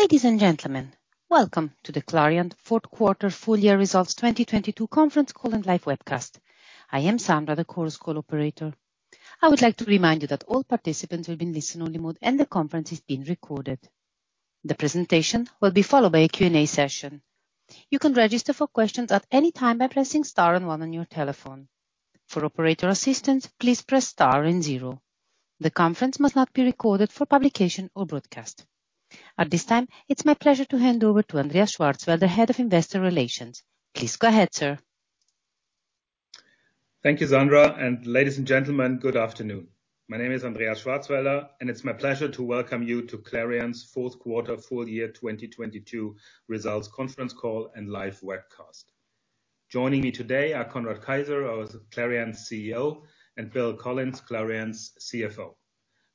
Ladies and gentlemen, welcome to the Clariant Fourth Quarter Full Year Results 2022 Conference Call and Live Webcast. I am Sandra, the Chorus Call operator. I would like to remind you that all participants will be in listen-only mode and the conference is being recorded. The presentation will be followed by a Q&A session. You can register for questions at any time by pressing star one on your telephone. For operator assistance, please press star zero. The conference must not be recorded for publication or broadcast. At this time, it's my plea sure to hand over to Andreas Schwarzwälder, well the Head of Investor Relations. Please go ahead, sir. Thank you, Sandra. Ladies and gentlemen, good afternoon. My name is Andreas Schwarzwälder, and it's my pleasure to welcome you to Clariant's Fourth Quarter Full Year 2022 Results Conference Call and live webcast. Joining me today are Conrad Keijzer, our Clariant CEO, and Bill Collins, Clariant's CFO.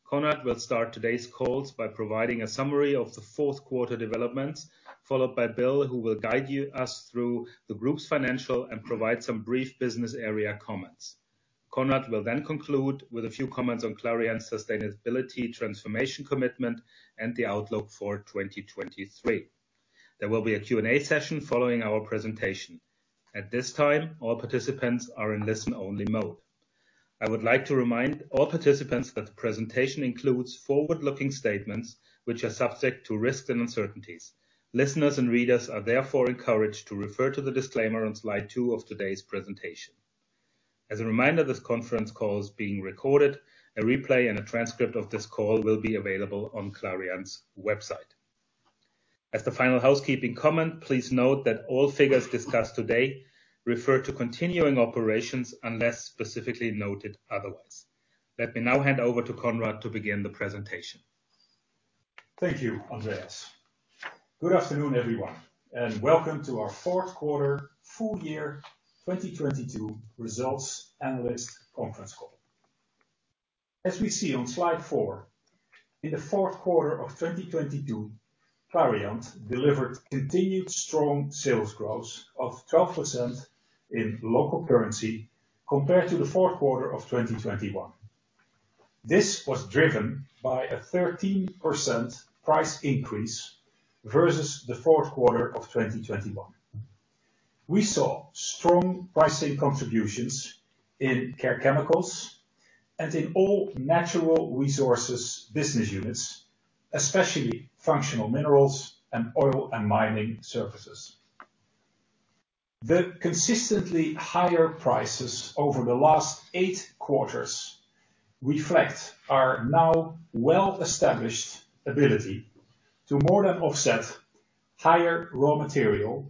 Conrad will start today's calls by providing a summary of the fourth quarter developments, followed by Bill, who will guide us through the group's financial and provide some brief business area comments. Conrad will then conclude with a few comments on Clariant's sustainability transformation commitment and the outlook for 2023. There will be a Q&A session following our presentation. At this time, all participants are in listen-only mode. I would like to remind all participants that the presentation includes forward-looking statements which are subject to risks and uncertainties. Listeners and readers are therefore encouraged to refer to the disclaimer on slide 2 of today's presentation. As a reminder, this conference call is being recorded. A replay and a transcript of this call will be available on Clariant's website. As the final housekeeping comment, please note that all figures discussed today refer to continuing operations unless specifically noted otherwise. Let me now hand over to Conrad to begin the presentation. Thank you, Andreas. Good afternoon, everyone, and welcome to our Fourth Quarter Full Year 2022 Results Analyst Conference Call. As we see on slide 4, in the fourth quarter of 2022, Clariant delivered continued strong sales growth of 12% in local currency compared to the fourth quarter of 2021. This was driven by a 13% price increase versus the fourth quarter of 2021. We saw strong pricing contributions in Care Chemicals and in all Natural Resources business units, especially Functional Minerals and Oil & Mining Services. The consistently higher prices over the last 8 quarters reflect our now well-established ability to more than offset higher raw material,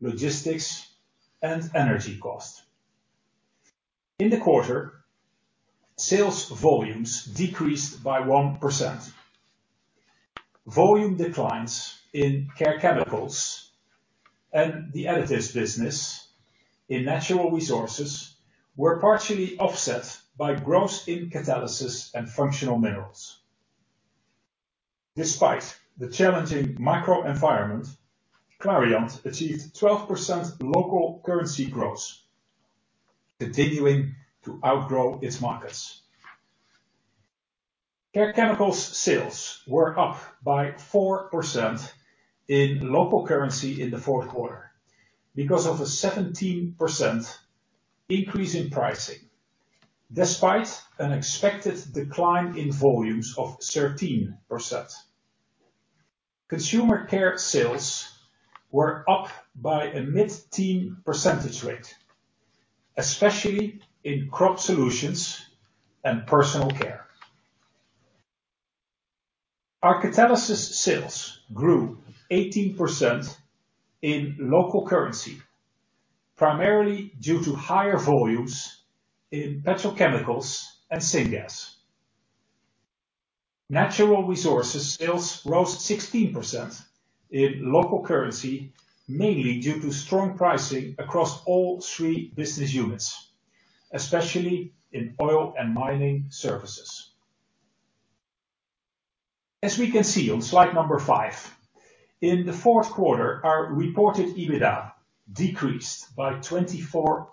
logistics, and energy costs. In the quarter, sales volumes decreased by 1%. Volume declines in Care Chemicals and the Additives business in Natural Resources were partially offset by growth in Catalysis and Functional Minerals. Despite the challenging microenvironment, Clariant achieved 12% local currency growth, continuing to outgrow its markets. Care Chemicals sales were up by 4% in local currency in the fourth quarter because of a 17% increase in pricing, despite an expected decline in volumes of 13%. Consumer care sales were up by a mid-teen percentage rate, especially in crop solutions and personal care. Our Catalysis sales grew 18% in local currency, primarily due to higher volumes in petrochemicals and syngas. Natural Resources sales rose 16% in local currency, mainly due to strong pricing across all three business units, especially in Oil & Mining Services. As we can see on slide number 5, in the fourth quarter, our reported EBITDA decreased by 24%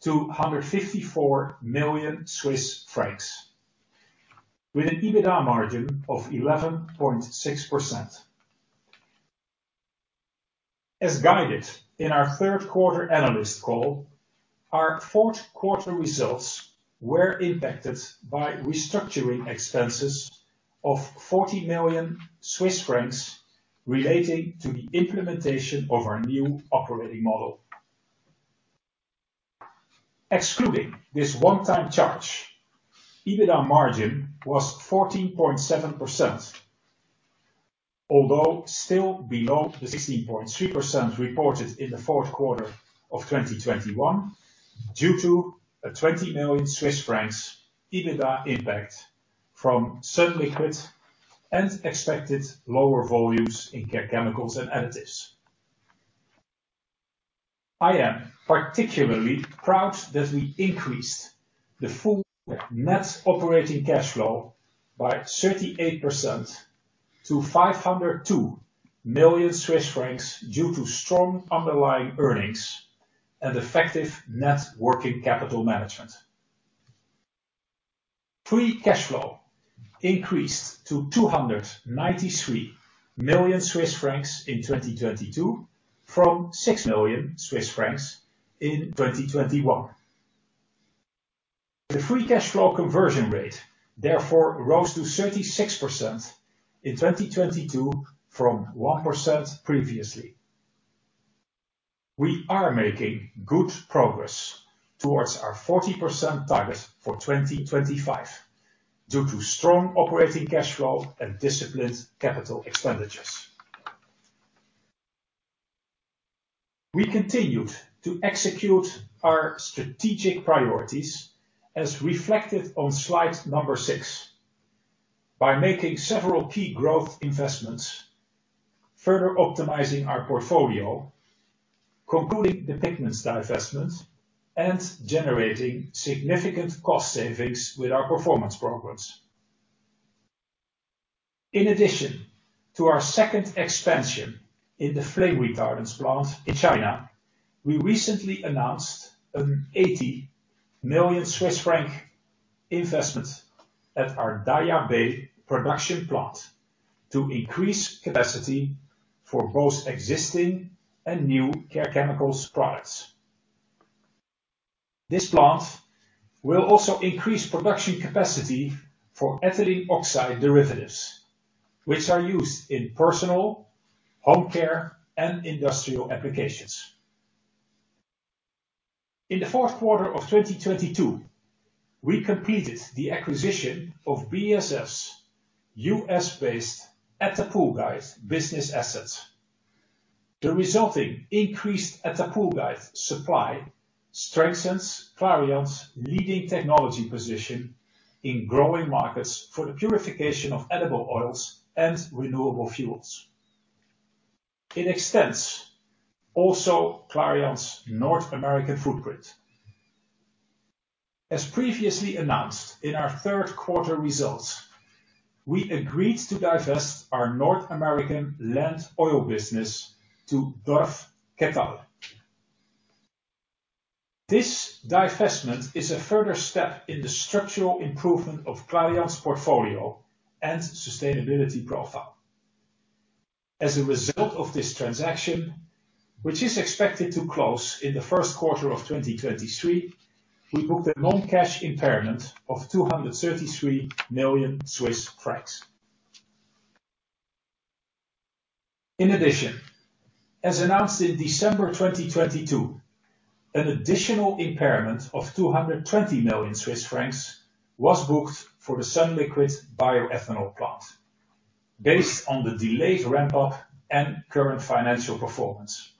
to CHF 154 million, with an EBITDA margin of 11.6%. As guided in our third quarter analyst call, our fourth quarter results were impacted by restructuring expenses of 40 million Swiss francs relating to the implementation of our new operating model. Excluding this one-time charge, EBITDA margin was 14.7%, although still below the 16.3% reported in the fourth quarter of 2021 due to a 20 million Swiss francs EBITDA impact from certain liquids and expected lower volumes in Care Chemicals and Additives. I am particularly proud that we increased the full net operating cash flow by 38% to 502 million Swiss francs due to strong underlying earnings and effective net working capital management. Free cash flow increased to 293 million Swiss francs in 2022 from 6 million Swiss francs in 2021. The free cash flow conversion rate therefore rose to 36% in 2022 from 1% previously. We are making good progress towards our 40% target for 2025 due to strong operating cash flow and disciplined capital expenditures. We continued to execute our strategic priorities as reflected on slide number 6, by making several key growth investments, further optimizing our portfolio, concluding the Pigments divestment, and generating significant cost savings with our performance programs. In addition to our second expansion in the flame retardants plant in China, we recently announced a 80 million Swiss franc investment at our Daya Bay production plant to increase capacity for both existing and new Care Chemicals products. This plant will also increase production capacity for ethylene oxide derivatives, which are used in personal, home care, and industrial applications. In the fourth quarter of 2022, we completed the acquisition of BASF's U.S.-based Attapulgite business assets. The resulting increased Attapulgite supply strengthens Clariant's leading technology position in growing markets for the purification of edible Oils and renewable fuels. It extends also Clariant's North American footprint. As previously announced in our third quarter results, we agreed to divest our North American Land Oil business to Dorf Ketal. This divestment is a further step in the structural improvement of Clariant's portfolio and sustainability profile. As a result of this transaction, which is expected to close in the first quarter of 2023, we booked a non-cash impairment of 233 million Swiss francs. In addition, as announced in December 2022, an additional impairment of 220 million Swiss francs was booked for the sunliquid® bioethanol plant based on the delayed ramp-up and current financial performance.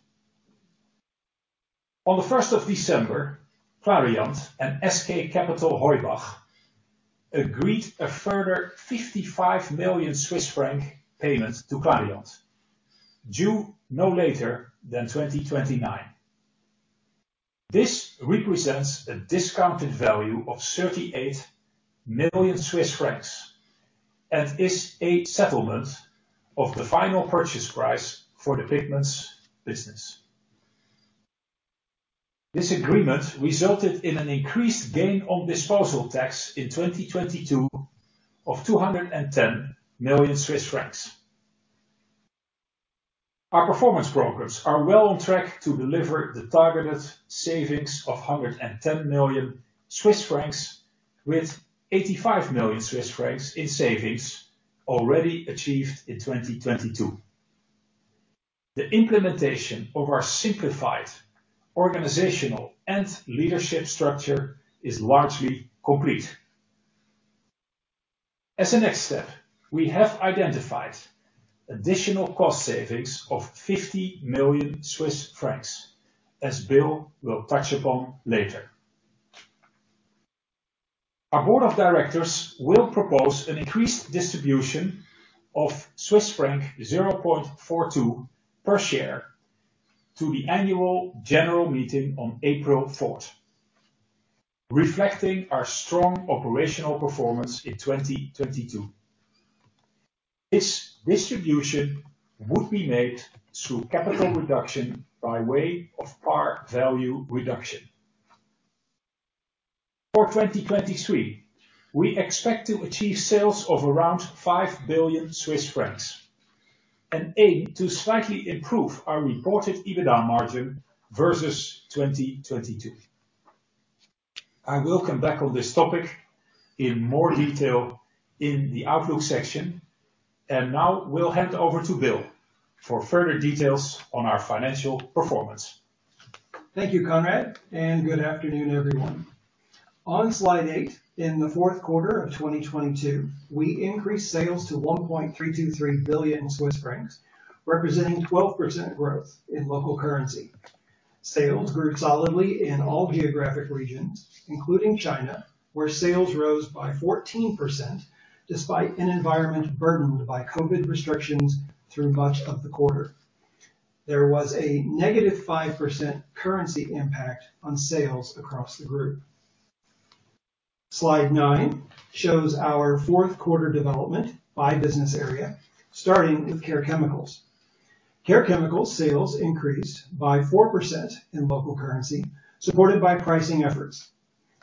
On the 1st of December, Clariant and SK Capital Heubach agreed a further 55 million Swiss franc payment to Clariant, due no later than 2029. This represents a discounted value of 38 million Swiss francs, and is a settlement of the final purchase price for the Pigments business. This agreement resulted in an increased gain on disposal tax in 2022 of CHF 210 million. Our performance programs are well on track to deliver the targeted savings of 110 million Swiss francs, with 85 million Swiss francs in savings already achieved in 2022. The implementation of our simplified organizational and leadership structure is largely complete. As a next step, we have identified additional cost savings of 50 million Swiss francs, as Bill will touch upon later. Our board of directors will propose an increased distribution of Swiss franc 0.42 per share to the annual general meeting on April 4, reflecting our strong operational performance in 2022. This distribution would be made through capital reduction by way of par value reduction. For 2023, we expect to achieve sales of around 5 billion Swiss francs, and aim to slightly improve our reported EBITDA margin versus 2022. I will come back on this topic in more detail in the outlook section. Now we'll hand over to Bill for further details on our financial performance. Thank you, Conrad. Good afternoon, everyone. On slide 8, in the fourth quarter of 2022, we increased sales to 1.323 billion Swiss francs, representing 12% growth in local currency. Sales grew solidly in all geographic regions, including China, where sales rose by 14% despite an environment burdened by COVID restrictions through much of the quarter. There was a -5% currency impact on sales across the group. Slide 9 shows our fourth quarter development by business area, starting with Care Chemicals. Care Chemicals sales increased by 4% in local currency, supported by pricing efforts.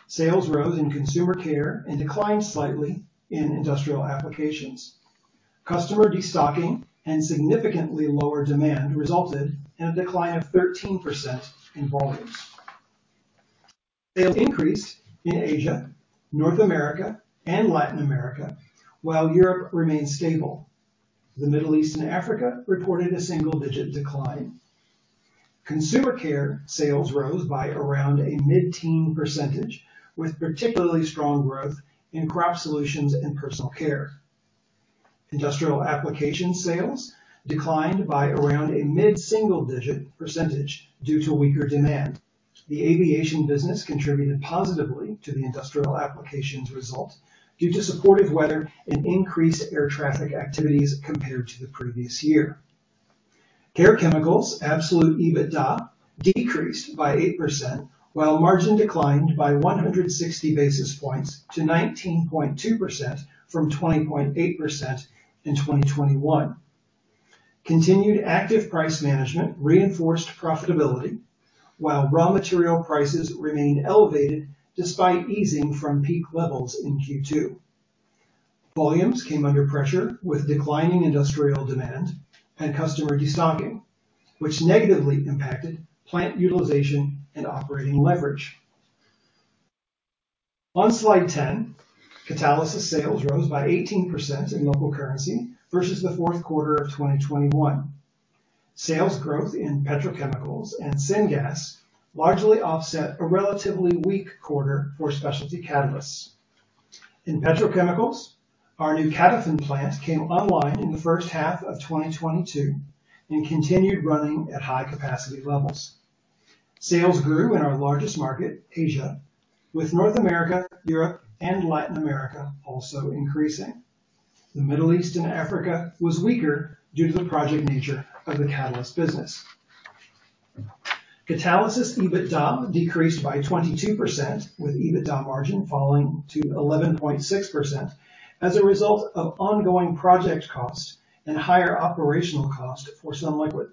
Sales rose in consumer care and declined slightly in industrial applications. Customer destocking and significantly lower demand resulted in a decline of 13% in volumes. Sales increase in Asia, North America, and Latin America, while Europe remained stable. The Middle East and Africa reported a single-digit decline. Consumer Care sales rose by around a mid-teen percentage, with particularly strong growth in crop solutions and personal care. Industrial application sales declined by around a mid-single-digit percentage due to weaker demand. The Aviation business contributed positively to the industrial applications result due to supportive weather and increased air traffic activities compared to the previous year. Care Chemicals absolute EBITDA decreased by 8%, while margin declined by 160 basis points to 19.2% from 20.8% in 2021. Continued active price management reinforced profitability, while raw material prices remained elevated despite easing from peak levels in Q2. Volumes came under pressure with declining industrial demand and customer destocking, which negatively impacted plant utilization and operating leverage. On slide 10, Catalysis sales rose by 18% in local currency versus the fourth quarter of 2021. Sales growth in petrochemicals and syngas largely offset a relatively weak quarter for specialty catalysts. In petrochemicals, our new CATOFIN plant came online in the first half of 2022 and continued running at high capacity levels. Sales grew in our largest market, Asia, with North America, Europe, and Latin America also increasing. The Middle East and Africa was weaker due to the project nature of the catalyst business. Catalysis EBITDA decreased by 22%, with EBITDA margin falling to 11.6% as a result of ongoing project costs and higher operational cost for sunliquid®.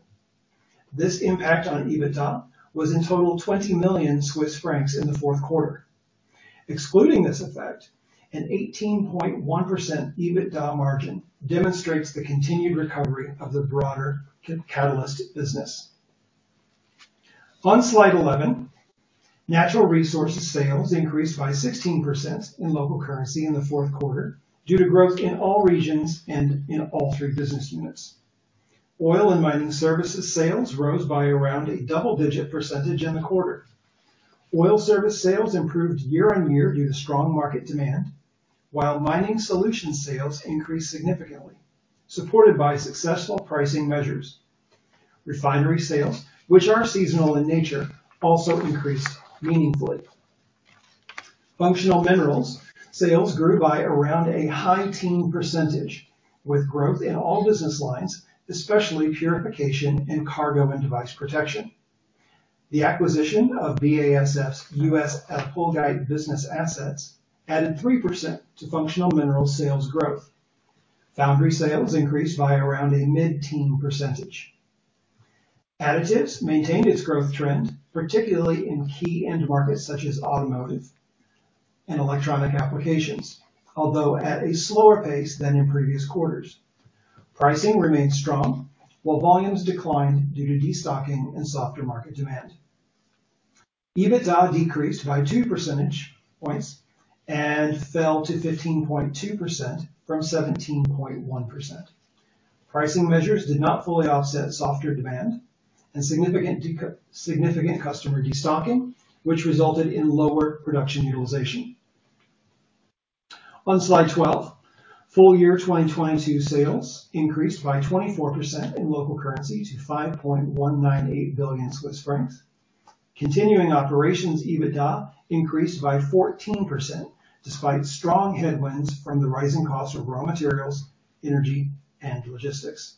This impact on EBITDA was in total 20 million Swiss francs in the fourth quarter. Excluding this effect, an 18.1% EBITDA margin demonstrates the continued recovery of the broader catalyst business. On slide 11, Natural Resources sales increased by 16% in local currency in the fourth quarter due to growth in all regions and in all three business units. Oil and Mining Services sales rose by around a double-digit percentage in the quarter. Oil service sales improved year-on-year due to strong market demand, while Mining solution sales increased significantly, supported by successful pricing measures. Refinery sales, which are seasonal in nature, also increased meaningfully. Functional Minerals sales grew by around a high teen percentage, with growth in all business lines, especially purification and cargo and device protection. The acquisition of BASF's U.S. Attapulgite business assets added 3% to Functional Minerals sales growth. Foundry sales increased by around a mid-teen percentage. Additives maintained its growth trend, particularly in key end markets such as automotive and electronic applications, although at a slower pace than in previous quarters. Pricing remained strong, while volumes declined due to destocking and softer market demand. EBITDA decreased by 2 percentage points and fell to 15.2% from 17.1%. Pricing measures did not fully offset softer demand and significant customer destocking, which resulted in lower production utilization. On slide 12, full year 2022 sales increased by 24% in local currency to 5.198 billion Swiss francs. Continuing operations EBITDA increased by 14% despite strong headwinds from the rising cost of raw materials, energy, and logistics.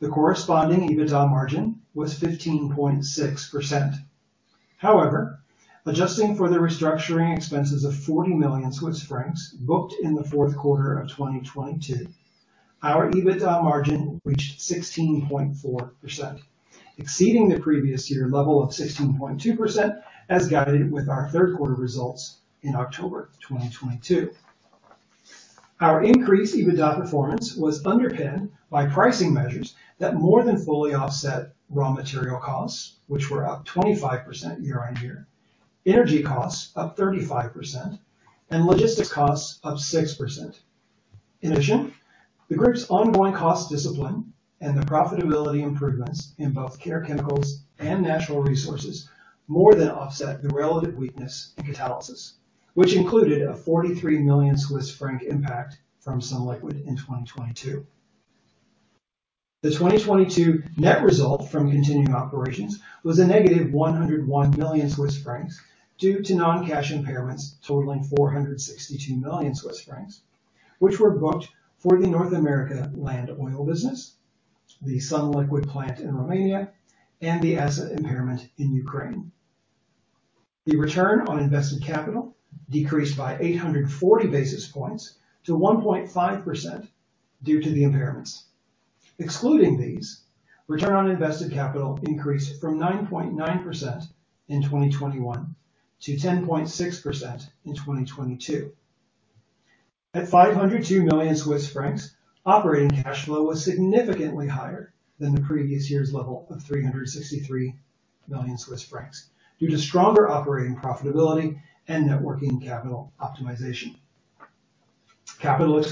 The corresponding EBITDA margin was 15.6%. Adjusting for the restructuring expenses of 40 million Swiss francs booked in Q4 2022, our EBITDA margin reached 16.4%, exceeding the previous year level of 16.2% as guided with our Q3 results in October 2022. Our increased EBITDA performance was underpinned by pricing measures that more than fully offset raw material costs, which were up 25% year-on-year, energy costs up 35%, and logistics costs up 6%. The group's ongoing cost discipline and the profitability improvements in both Care Chemicals and Natural Resources more than offset the relative weakness in Catalysis, which included a 43 million Swiss franc impact from sunliquid® in 2022. The 2022 net result from continuing operations was a negative 101 million Swiss francs due to non-cash impairments totaling 462 million Swiss francs, which were booked for the North American Land Oil business, the sunliquid®® plant in Romania, and the asset impairment in Ukraine. The ROIC decreased by 840 basis points to 1.5% due to the impairments. Excluding these, ROIC increased from 9.9% in 2021 to 10.6% in 2022. At 502 million Swiss francs, operating cash flow was significantly higher than the previous year's level of 363 million Swiss francs due to stronger operating profitability and networking capital optimization. CapEx were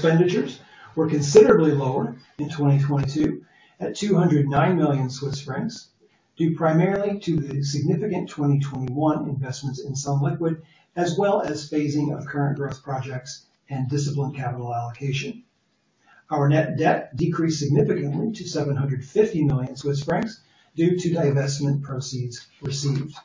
considerably lower in 2022 at 209 million Swiss francs, due primarily to the significant 2021 investments in sunliquid®, as well as phasing of current growth projects and disciplined capital allocation. Our net debt decreased significantly to 750 million Swiss francs due to divestment proceeds received.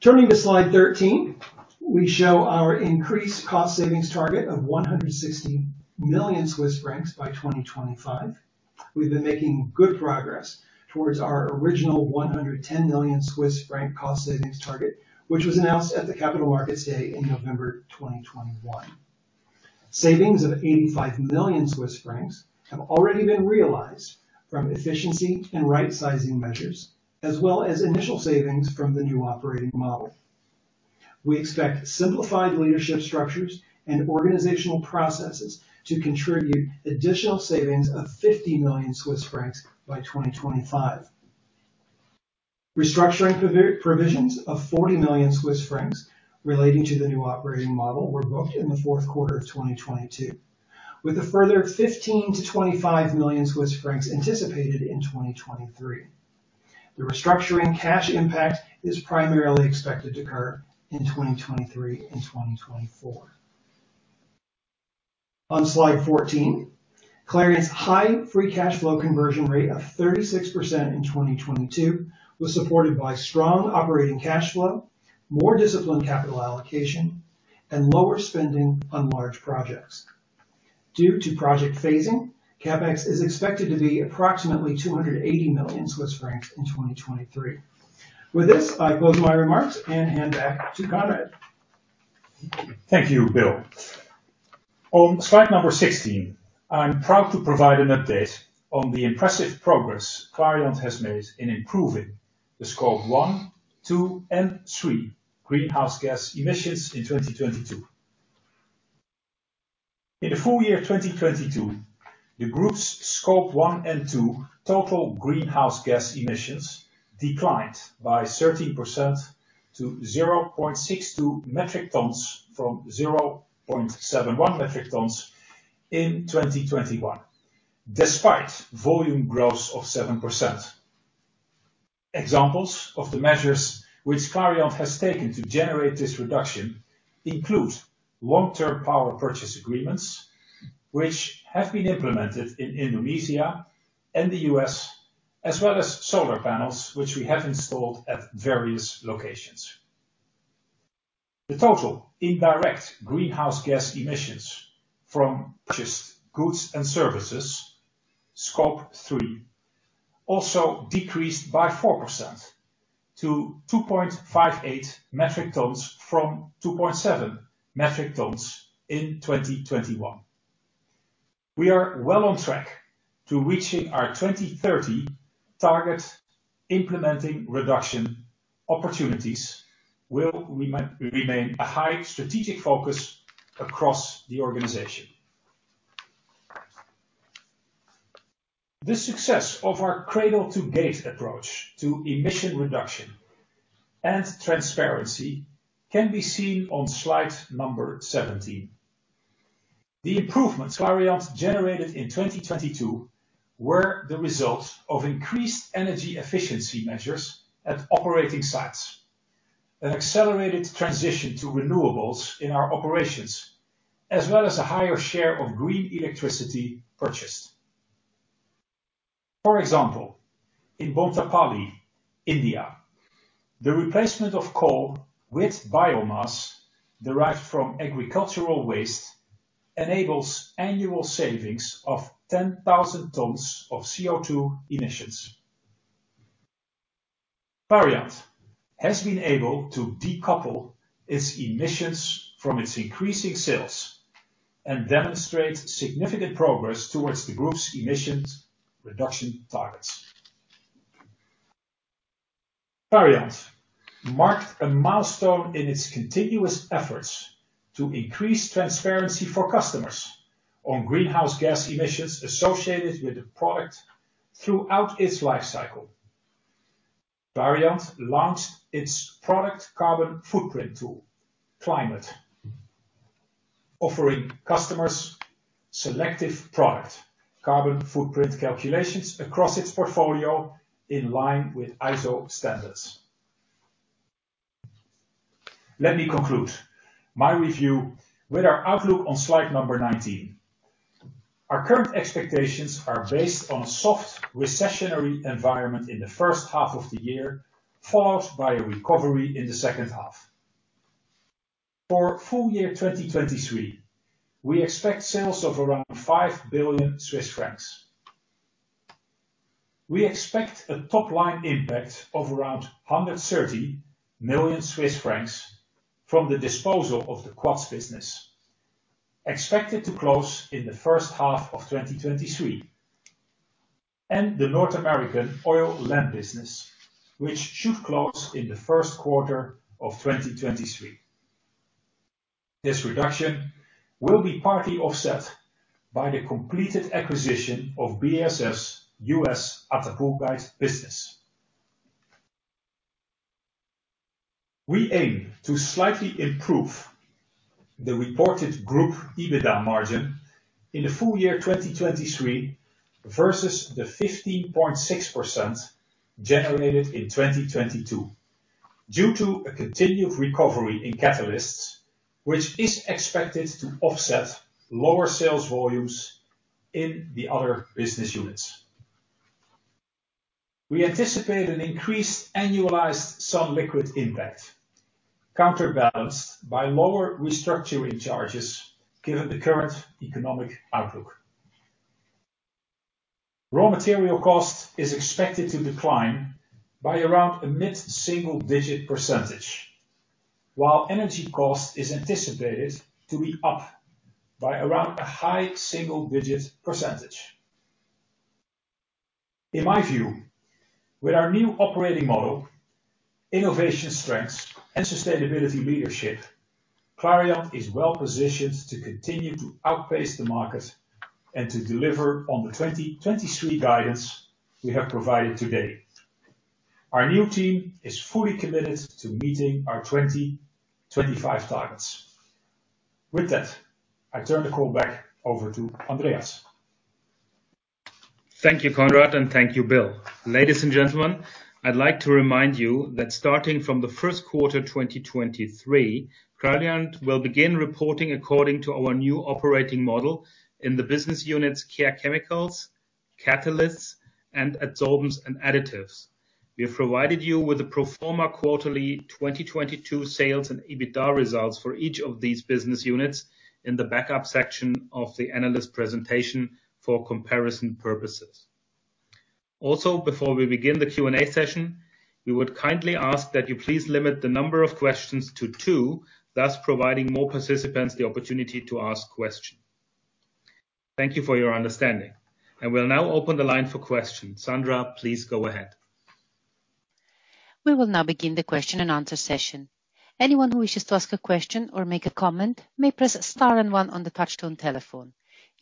Turning to slide 13, we show our increased cost savings target of 160 million Swiss francs by 2025. We've been making good progress towards our original 110 million Swiss franc cost savings target, which was announced at the capital markets day in November 2021. Savings of 85 million Swiss francs have already been realized from efficiency and right-sizing measures as well as initial savings from the new operating model. We expect simplified leadership structures and organizational processes to contribute additional savings of 50 million Swiss francs by 2025. Restructuring provisions of 40 million Swiss francs relating to the new operating model were booked in the fourth quarter of 2022, with a further 15 million-25 million Swiss francs anticipated in 2023. The restructuring cash impact is primarily expected to occur in 2023 and 2024. On slide 14, Clariant's high free cash flow conversion rate of 36% in 2022 was supported by strong operating cash flow, more disciplined capital allocation, and lower spending on large projects. Due to project phasing, CapEx is expected to be approximately 280 million Swiss francs in 2023. With this, I close my remarks and hand back to Conrad. Thank you, Bill. On slide number 16, I'm proud to provide an update on the impressive progress Clariant has made in improving the Scope 1, 2, and 3 greenhouse gas emissions in 2022. In the full year of 2022, the group's Scope 1 and 2 total greenhouse gas emissions declined by 13% to 0.62 metric tons from 0.71 metric tons in 2021, despite volume growth of 7%. Examples of the measures which Clariant has taken to generate this reduction include long-term power purchase agreements, which have been implemented in Indonesia and the U.S., as well as solar panels, which we have installed at various locations. The total indirect greenhouse gas emissions from purchased goods and Services, Scope 3, also decreased by 4% to 2.58 metric tons from 2.7 metric tons in 2021. We are well on track to reaching our 2030 target. Implementing reduction opportunities will remain a high strategic focus across the organization. The success of our cradle-to-gate approach to emission reduction and transparency can be seen on slide number 17. The improvements Clariant generated in 2022 were the result of increased energy efficiency measures at operating sites, an accelerated transition to renewables in our operations, as well as a higher share of green electricity purchased. For example, in Bonthapally, India, the replacement of coal with biomass derived from agricultural waste enables annual savings of 10,000 tons of CO2 emissions. Clariant has been able to decouple its emissions from its increasing sales and demonstrate significant progress towards the group's emissions reduction targets. Clariant marked a milestone in its continuous efforts to increase transparency for customers on greenhouse gas emissions associated with the product throughout its life cycle. Clariant launched its product carbon footprint tool, CliMate, offering customers selective product carbon footprint calculations across its portfolio in line with ISO standards. Let me conclude my review with our outlook on slide number 19. Our current expectations are based on a soft recessionary environment in the first half of the year, followed by a recovery in the second half. For full year 2023, we expect sales of around 5 billion Swiss francs. We expect a top-line impact of around 130 million Swiss francs from the disposal of the Quats business expected to close in the first half of 2023, and the North American Land Oil business, which should close in the first quarter of 2023. This reduction will be partly offset by the completed acquisition of BASF U.S. Attapulgite business. We aim to slightly improve the reported group EBITDA margin in the full year 2023 versus the 15.6% generated in 2022 due to a continued recovery in Catalysts, which is expected to offset lower sales volumes in the other business units. We anticipate an increased annualized sunliquid®® impact, counterbalanced by lower restructuring charges given the current economic outlook. Raw material cost is expected to decline by around a mid-single digit %, while energy cost is anticipated to be up by around a high single digit %. In my view, with our new operating model, innovation strengths, and sustainability leadership, Clariant is well positioned to continue to outpace the market and to deliver on the 2023 guidance we have provided today. Our new team is fully committed to meeting our 2025 targets. With that, I turn the call back over to Andreas. Thank you, Conrad, and thank you, Bill. Ladies and gentlemen, I'd like to remind you that starting from the first quarter 2023, Clariant will begin reporting according to our new operating model in the business units, Care Chemicals, Catalysts, and Adsorbents & Additives. We have provided you with a pro forma quarterly 2022 sales and EBITDA results for each of these business units in the backup section of the analyst presentation for comparison purposes. Also, before we begin the Q&A session, we would kindly ask that you please limit the number of questions to 2, thus providing more participants the opportunity to ask question. Thank you for your understanding. We'll now open the line for questions. Sandra, please go ahead. We will now begin the question and answer session. Anyone who wishes to ask a question or make a comment may press star one on the touchtone telephone.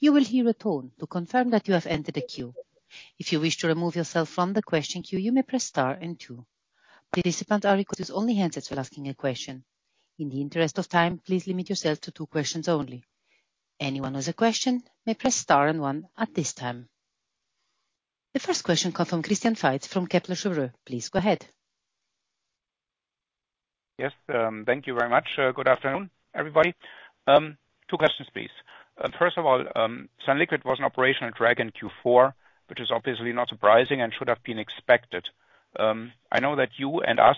You will hear a tone to confirm that you have entered the queue. If you wish to remove yourself from the question queue, you may press star two. Participants are requested to use only handsets when asking a question. In the interest of time, please limit yourself to two questions only. Anyone who has a question may press star one at this time. The first question comes from Christian Faitz from Kepler Cheuvreux. Please go ahead. Yes, thank you very much. Good afternoon, everybody. Two questions, please. First of all, Sunliquid was an operational drag in Q4, which is obviously not surprising and should have been expected. I know that you and us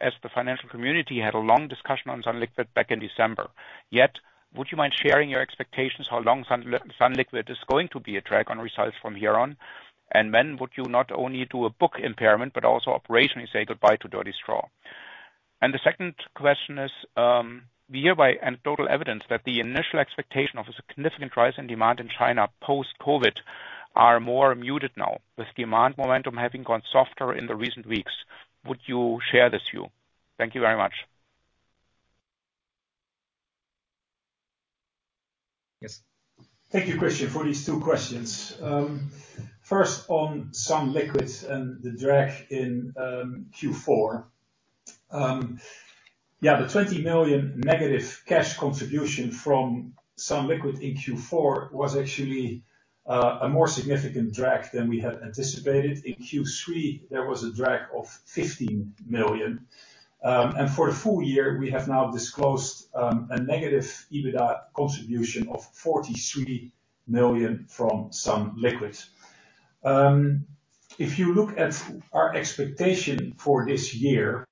as the financial community, had a long discussion on Sunliquid back in December. Yet, would you mind sharing your expectations how long Sunliquid is going to be a drag on results from here on? When would you not only do a book impairment, but also operationally say goodbye to Dirty Straw? The second question is, we hereby and total evidence that the initial expectation of a significant rise in demand in China post-COVID are more muted now, with demand momentum having gone softer in the recent weeks. Would you share this view? Thank you very much. Yes. Thank you, Christian, for these two questions. First on sunliquid® and the drag in Q4. Yeah, the 20 million negative cash contribution from sunliquid® in Q4 was actually a more significant drag than we had anticipated. In Q3, there was a drag of 15 million. And for the full year, we have now disclosed a negative EBITDA contribution of 43 million from sunliquid®. If you look at our expectation for this year,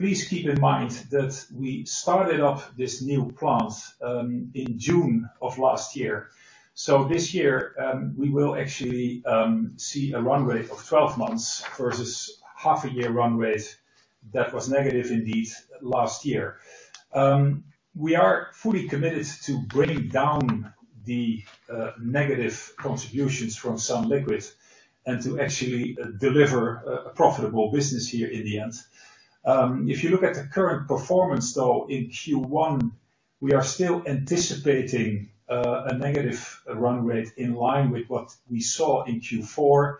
please keep in mind that we started off this new plant in June of last year. This year, we will actually see a run rate of 12 months versus half a year run rate that was negative indeed last year. We are fully committed to bringing down the negative contributions from sunliquid® and to actually deliver a profitable business here in the end. If you look at the current performance, though, in Q1, we are still anticipating a negative run rate in line with what we saw in Q4.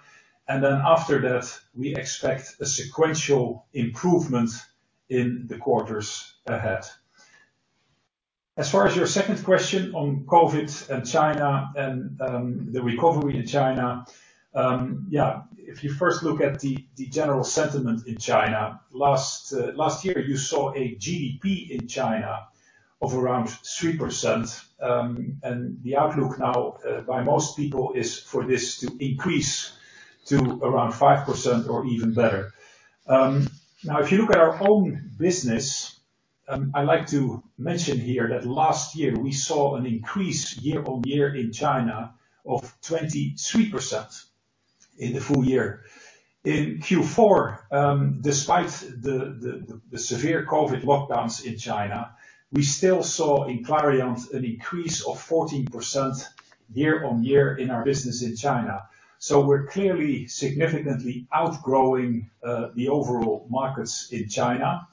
After that, we expect a sequential improvement in the quarters ahead. As far as your second question on COVID and China and the recovery in China. If you first look at the general sentiment in China, last year, you saw a GDP in China of around 3%, the outlook now by most people is for this to increase to around 5% or even better. If you look at our own business. I'd like to mention here that last year we saw an increase year-on-year in China of 23% in the full year. In Q4, despite the severe COVID lockdowns in China, we still saw in Clariant an increase of 14% year-over-year in our business in China. We're clearly significantly outgrowing the overall markets in China.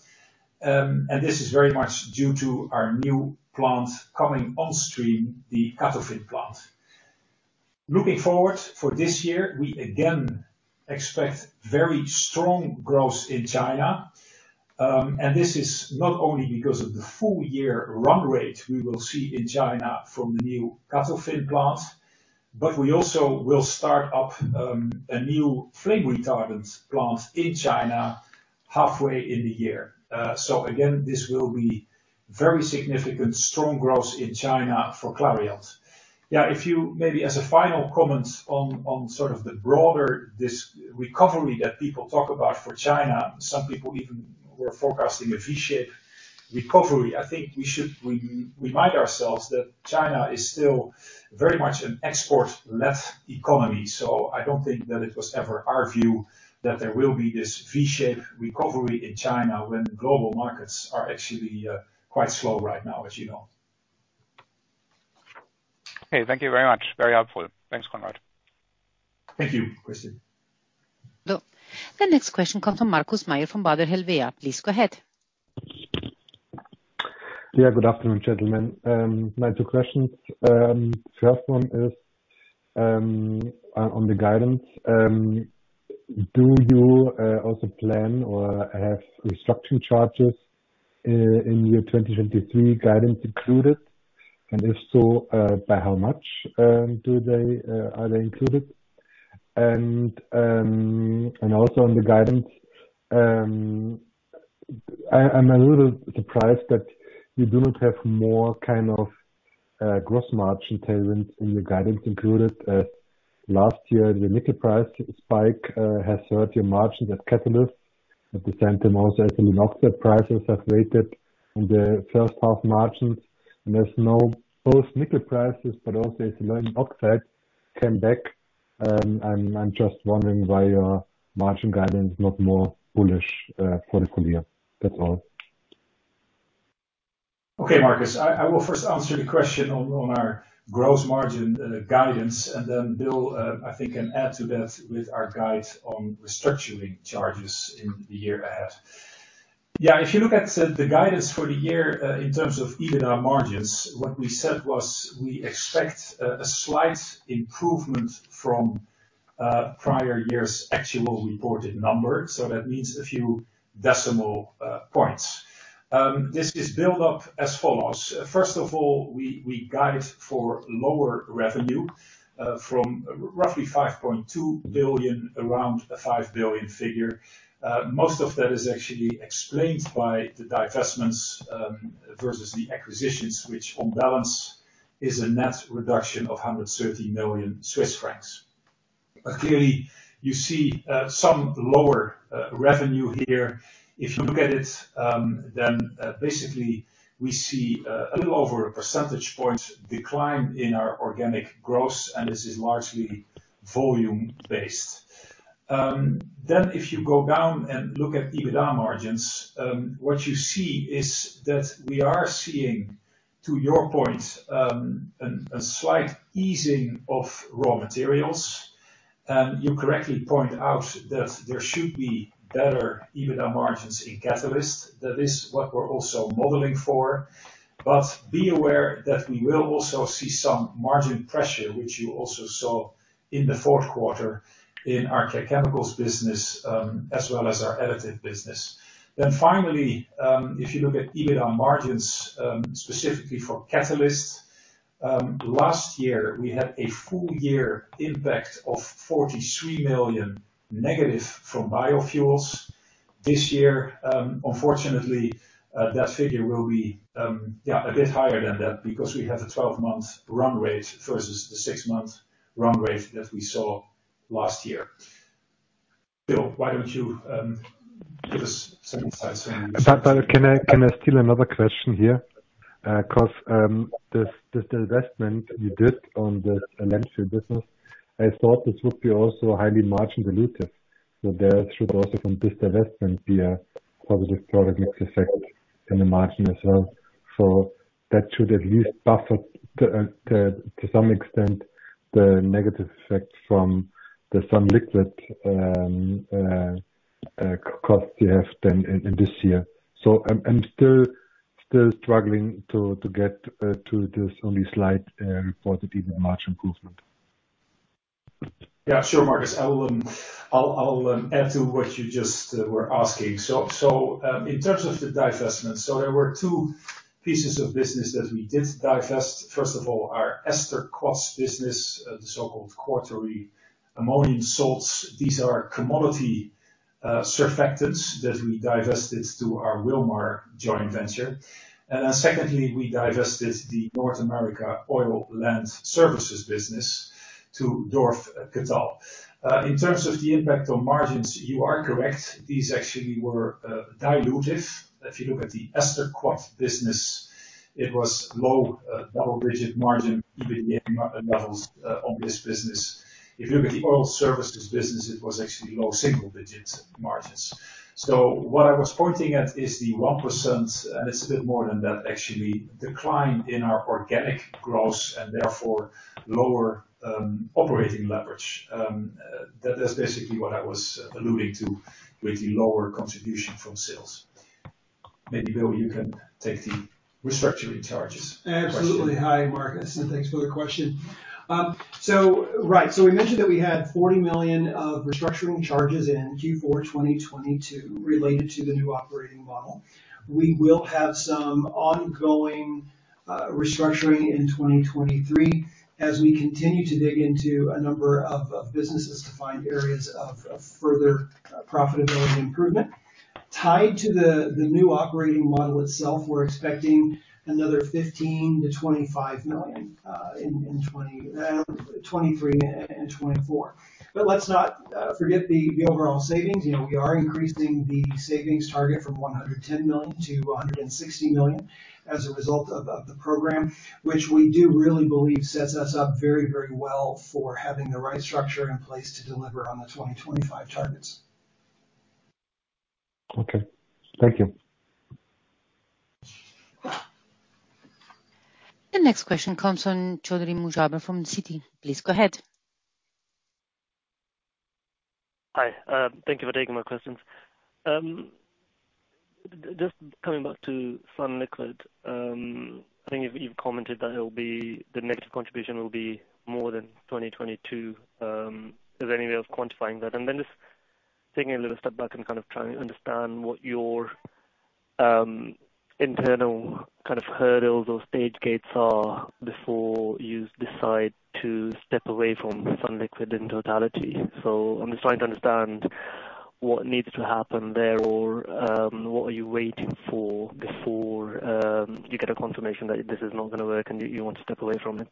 This is very much due to our new plant coming on stream, the CATOFIN plant. Looking forward for this year, we again expect very strong growth in China. This is not only because of the full year run rate we will see in China from the new CATOFIN plant, but we also will start up a new flame retardant plant in China halfway in the year. Again, this will be very significant strong growth in China for Clariant. Maybe as a final comment on sort of the broader recovery that people talk about for China, some people even were forecasting a V-shaped recovery. I think we should remind ourselves that China is still very much an export-led economy. I don't think that it was ever our view that there will be this V-shaped recovery in China when the global markets are actually quite slow right now, as you know. Okay. Thank you very much. Very helpful. Thanks, Conrad. Thank you, Christian. The next question comes from Markus Mayer from Baader Helvea. Please go ahead. Good afternoon, gentlemen. My two questions. First one is on the guidance. Do you also plan or have restructuring charges in year 2023 guidance included? If so, by how much are they included? Also on the guidance, I'm a little surprised that you do not have more kind of gross margin tailwinds in your guidance included. Last year, the nickel price spike has hurt your margins at Catalysts. At the same time also, aluminum oxide prices have rated in the first half margins, and there's no both nickel prices, but also aluminum oxide came back. I'm just wondering why your margin guidance is not more bullish for the full year. That's all. Okay, Markus. I will first answer the question on our gross margin guidance, and then Bill, I think, can add to that with our guide on restructuring charges in the year ahead. Yeah, if you look at the guidance for the year in terms of EBITDA margins, what we said was we expect a slight improvement from prior year's actual reported numbers. That means a few decimal points. This is built up as follows. First of all, we guide for lower revenue from roughly 5.2 billion around a 5 billion figure. Most of that is actually explained by the divestments versus the acquisitions, which on balance is a net reduction of 130 million Swiss francs. Clearly, you see some lower revenue here. If you look at it, basically we see 1 percentage point decline in our organic growth, and this is largely volume based. If you go down and look at EBITDA margins, what you see is that we are seeing, to your point, a slight easing of raw materials. You correctly point out that there should be better EBITDA margins in Catalyst. That is what we're also modeling for. Be aware that we will also see some margin pressure, which you also saw in the fourth quarter in our Chemicals business, as well as our Additives business. Finally, if you look at EBITDA margins, specifically for Catalyst, last year we had a full year impact of 43 million negative from biofuels. This year, unfortunately, that figure will be a bit higher than that because we have a 12-month run rate versus the 6-month run rate that we saw last year. Bill, why don't you give us some insights on this? Can I steal another question here? This divestment you did on the Land Oil business, I thought this would be also highly margin dilutive. There should also from this divestment be a positive product mix effect in the margin as well. That should at least buffer to some extent the negative effect from the sunliquid® cost you have then in this year. I'm still struggling to get to this only slight reported EBITDA margin improvement. Yeah, sure, Markus. I will add to what you just were asking. In terms of the divestment, there were two pieces of business that we did divest. First of all, our Esterquats business, the so-called quaternary ammonium salts. These are commodity surfactants that we divested to our Wilmar joint venture. Secondly, we divested the North American Land Oil business to Dorf Ketal. In terms of the impact on margins, you are correct. These actually were dilutive. If you look at the Esterquats business, it was low double-digit margin, EBITDA levels on this business. If you look at the Oil Services business, it was actually low single-digit margins. What I was pointing at is the 1%, and it's a bit more than that, actually, decline in our organic growth and therefore lower operating leverage. That is basically what I was alluding to with the lower contribution from sales. Maybe, Bill, you can take the restructuring charges question. Absolutely. Hi, Marcus, thanks for the question. Right. We mentioned that we had 40 million of restructuring charges in Q4 2022 related to the new operating model. We will have some ongoing restructuring in 2023 as we continue to dig into a number of businesses to find areas of further profitability improvement. Tied to the new operating model itself, we're expecting another 15 million-25 million in 2023 and 2024. Let's not forget the overall savings. You know, we are increasing the savings target from 110 million-160 million as a result of the program, which we do really believe sets us up very well for having the right structure in place to deliver on the 2025 targets. Okay. Thank you. The next question comes from Chaudhry Mubasher from Citi. Please go ahead. Hi. Thank you for taking my questions. Just coming back to sunliquid®®. I think you've commented that the next contribution will be more than 2022. Is there any way of quantifying that? Just taking a little step back and kind of trying to understand what your internal kind of hurdles or stage gates are before you decide to step away from sunliquid®® in totality. I'm just trying to understand what needs to happen there or what are you waiting for before you get a confirmation that this is not gonna work and you want to step away from it.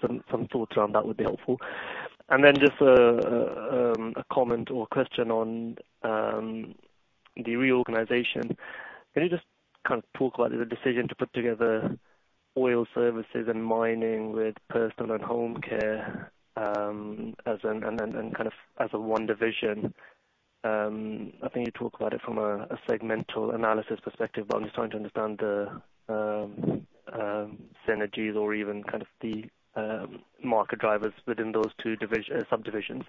Some thoughts around that would be helpful. Just a comment or question on the reorganization. Can you just kind of talk about the decision to put together Oil Services and Mining with personal and home care, and then, and kind of as a one division? I think you talk about it from a segmental analysis perspective. I'm just trying to understand the synergies or even kind of the market drivers within those two subdivisions.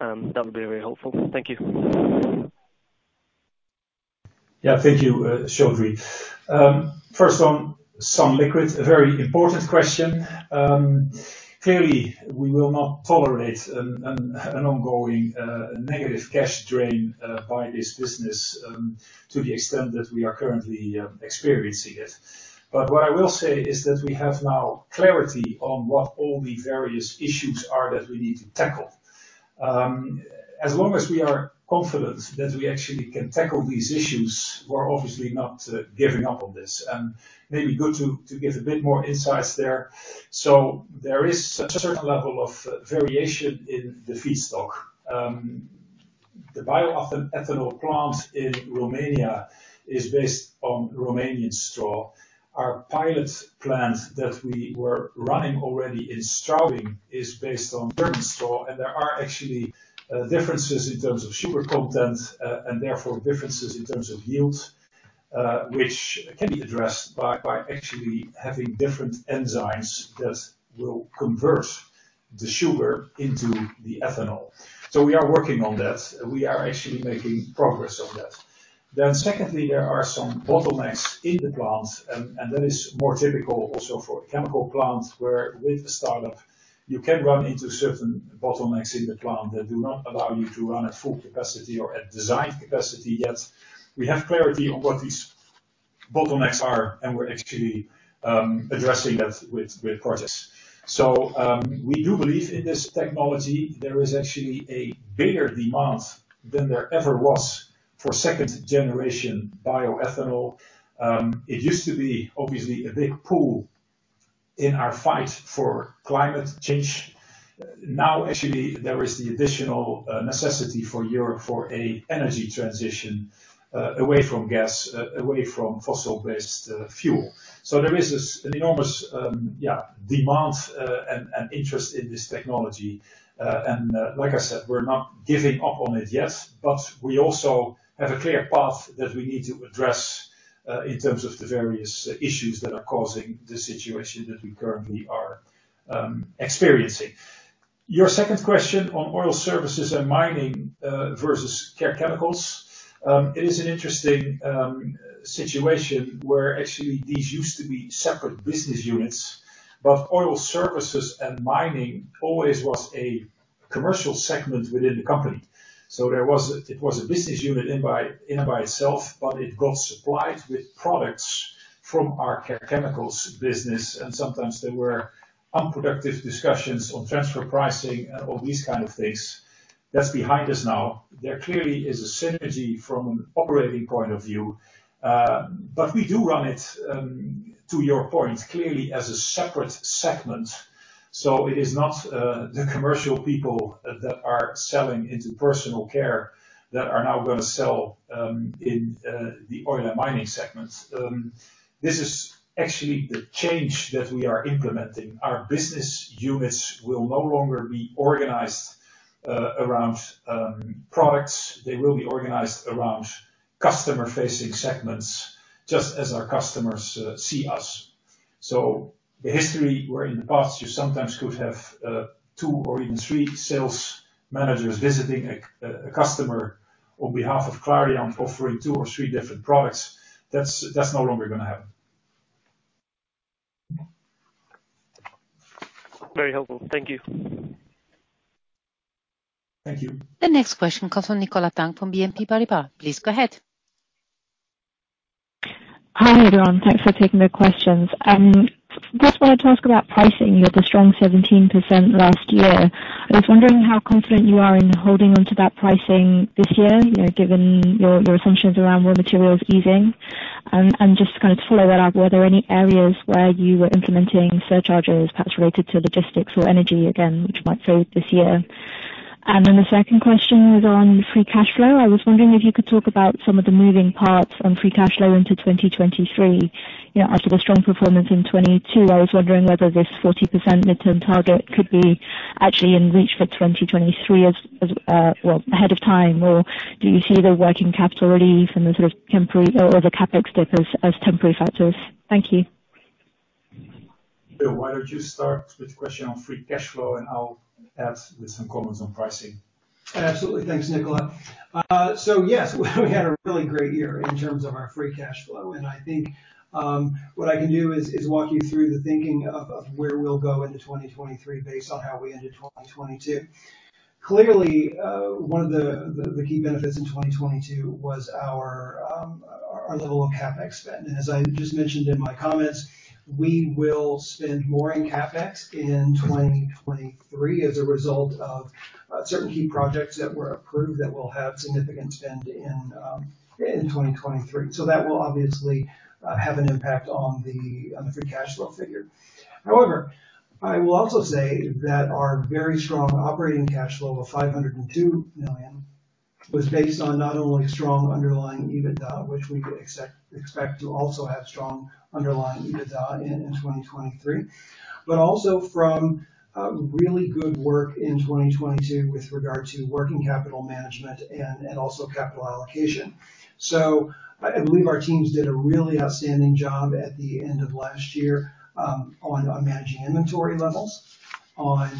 That would be very helpful. Thank you. Yeah. Thank you, Chaudhry. First on sunliquid®®, a very important question. Clearly we will not tolerate an ongoing negative cash drain by this business to the extent that we are currently experiencing it. What I will say is that we have now clarity on what all the various issues are that we need to tackle. As long as we are confident that we actually can tackle these issues, we're obviously not giving up on this. Maybe good to give a bit more insights there. There is a certain level of variation in the feedstock. The ethanol plant in Romania is based on Romanian straw. Our pilot plant that we were running already in Straubing is based on German straw, and there are actually differences in terms of sugar content, and therefore differences in terms of yield, which can be addressed by actually having different enzymes that will convert the sugar into the ethanol. We are working on that. We are actually making progress on that. Secondly, there are some bottlenecks in the plant, and that is more typical also for a chemical plant, where with a startup you can run into certain bottlenecks in the plant that do not allow you to run at full capacity or at design capacity yet. We have clarity on what these bottlenecks are, and we're actually addressing that with projects. We do believe in this technology. There is actually a bigger demand than there ever was for second-generation bioethanol. It used to be obviously a big pool in our fight for climate change. Now, actually, there is the additional necessity for Europe for a energy transition away from gas away from fossil-based fuel. There is an enormous demand and interest in this technology. Like I said, we're not giving up on it yet, but we also have a clear path that we need to address in terms of the various issues that are causing the situation that we currently are experiencing. Your second question on Oil Services and Mining versus Care Chemicals. It is an interesting situation where actually these used to be separate business units, but Oil Services and Mining always was a commercial segment within the company. It was a business unit in by itself, but it got supplied with products from our Care Chemicals business, and sometimes there were unproductive discussions on transfer pricing and all these kind of things. That's behind us now. There clearly is a synergy from an operating point of view, but we do run it, to your point, clearly as a separate segment. It is not the commercial people that are selling into personal care that are now gonna sell in the Oil and Mining segments. This is actually the change that we are implementing. Our business units will no longer be organized around products. They will be organized around customer-facing segments, just as our customers see us. The history where in the past you sometimes could have, two or even three sales managers visiting a customer on behalf of Clariant offering two or three different products, that's no longer gonna happen. Very helpful. Thank you. Thank you. The next question comes from Nicola Tang from BNP Paribas. Please go ahead. Hi, everyone. Thanks for taking the questions. First wanted to ask about pricing. You had a strong 17% last year. I was wondering how confident you are in holding on to that pricing this year, you know, given your assumptions around raw materials easing? Just to kind of follow that up, were there any areas where you were implementing surcharges perhaps related to logistics or energy again, which might fade this year? The second question was on free cash flow. I was wondering if you could talk about some of the moving parts on free cash flow into 2023. You know, after the strong performance in 2022, I was wondering whether this 40% midterm target could be actually in reach for 2023 well ahead of time? Do you see the working capital relief and the sort of temporary or the CapEx dip as temporary factors? Thank you. Bill, why don't you start with the question on free cash flow, and I'll add with some comments on pricing. Absolutely. Thanks, Nicola. Yes, we had a really great year in terms of our free cash flow. I think, what I can do is walk you through the thinking of where we'll go into 2023 based on how we ended 2022. Clearly, one of the key benefits in 2022 was our level of CapEx spend. As I just mentioned in my comments, we will spend more in CapEx in 2023 as a result of certain key projects that were approved that will have significant spend in 2023. That will obviously have an impact on the free cash flow figure. I will also say that our very strong operating cash flow of 502 million was based on not only strong underlying EBITDA, which we could expect to also have strong underlying EBITDA in 2023, but also from really good work in 2022 with regard to working capital management and capital allocation. I believe our teams did a really outstanding job at the end of last year on managing inventory levels, on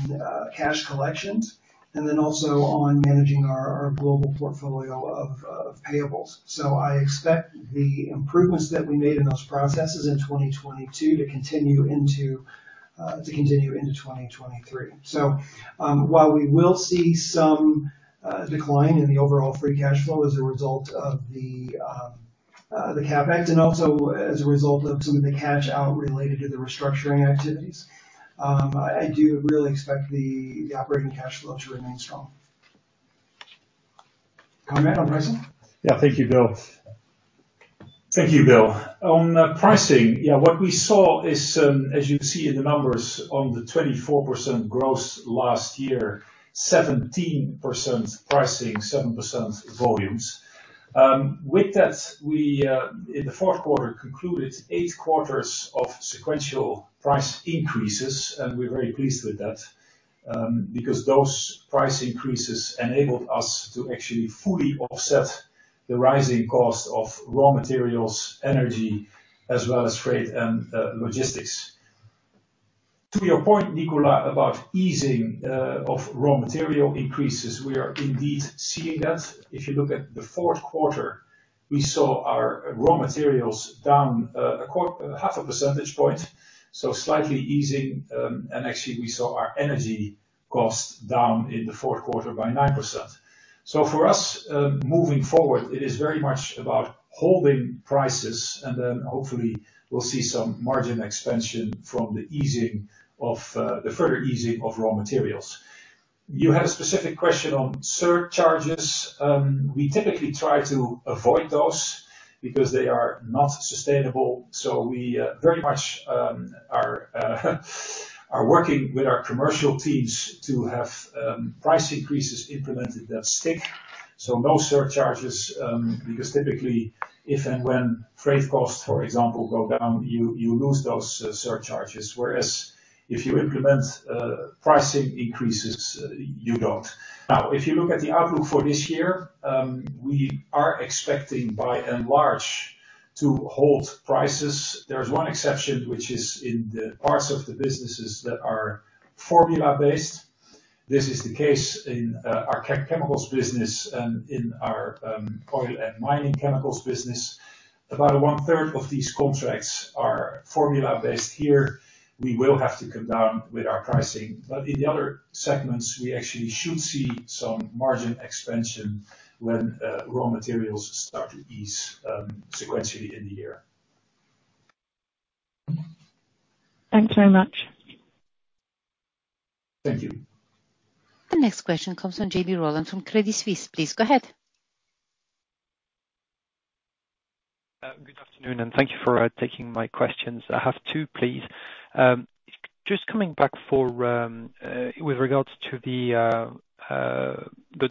cash collections, and then also on managing our global portfolio of payables. I expect the improvements that we made in those processes in 2022 to continue into 2023. While we will see some decline in the overall free cash flow as a result of the CapEx and also as a result of some of the cash out related to the restructuring activities, I do really expect the operating cash flow to remain strong. Comment on pricing? Thank you, Bill. Thank you, Bill. On pricing, what we saw is, as you see in the numbers on the 24% gross last year, 17% pricing, 7% volumes. With that, we in the fourth quarter, concluded 8 quarters of sequential price increases, and we're very pleased with that, because those price increases enabled us to actually fully offset the rising cost of raw materials, energy, as well as freight and logistics. To your point, Nicola, about easing of raw material increases, we are indeed seeing that. If you look at the fourth quarter, we saw our raw materials down half a percentage point, so slightly easing. Actually, we saw our energy cost down in the fourth quarter by 9%. For us, moving forward, it is very much about holding prices, and then hopefully we'll see some margin expansion from the easing of the further easing of raw materials. You had a specific question on surcharges. We typically try to avoid those because they are not sustainable. We very much are working with our commercial teams to have price increases implemented that stick. No surcharges, because typically, if and when freight costs, for example, go down, you lose those surcharges. Whereas if you implement pricing increases, you don't. If you look at the outlook for this year, we are expecting by and large to hold prices. There's one exception, which is in the parts of the businesses that are formula-based. This is the case in our Chemicals business and in our Oil and Mining Chemicals business. About one-third of these contracts are formula-based. Here we will have to come down with our pricing. In the other segments, we actually should see some margin expansion when raw materials start to ease sequentially in the year. Thanks so much. Thank you. The next question comes from JB Rolland from Credit Suisse, please go ahead. Good afternoon, thank you for taking my questions. I have two, please. Just coming back for with regards to the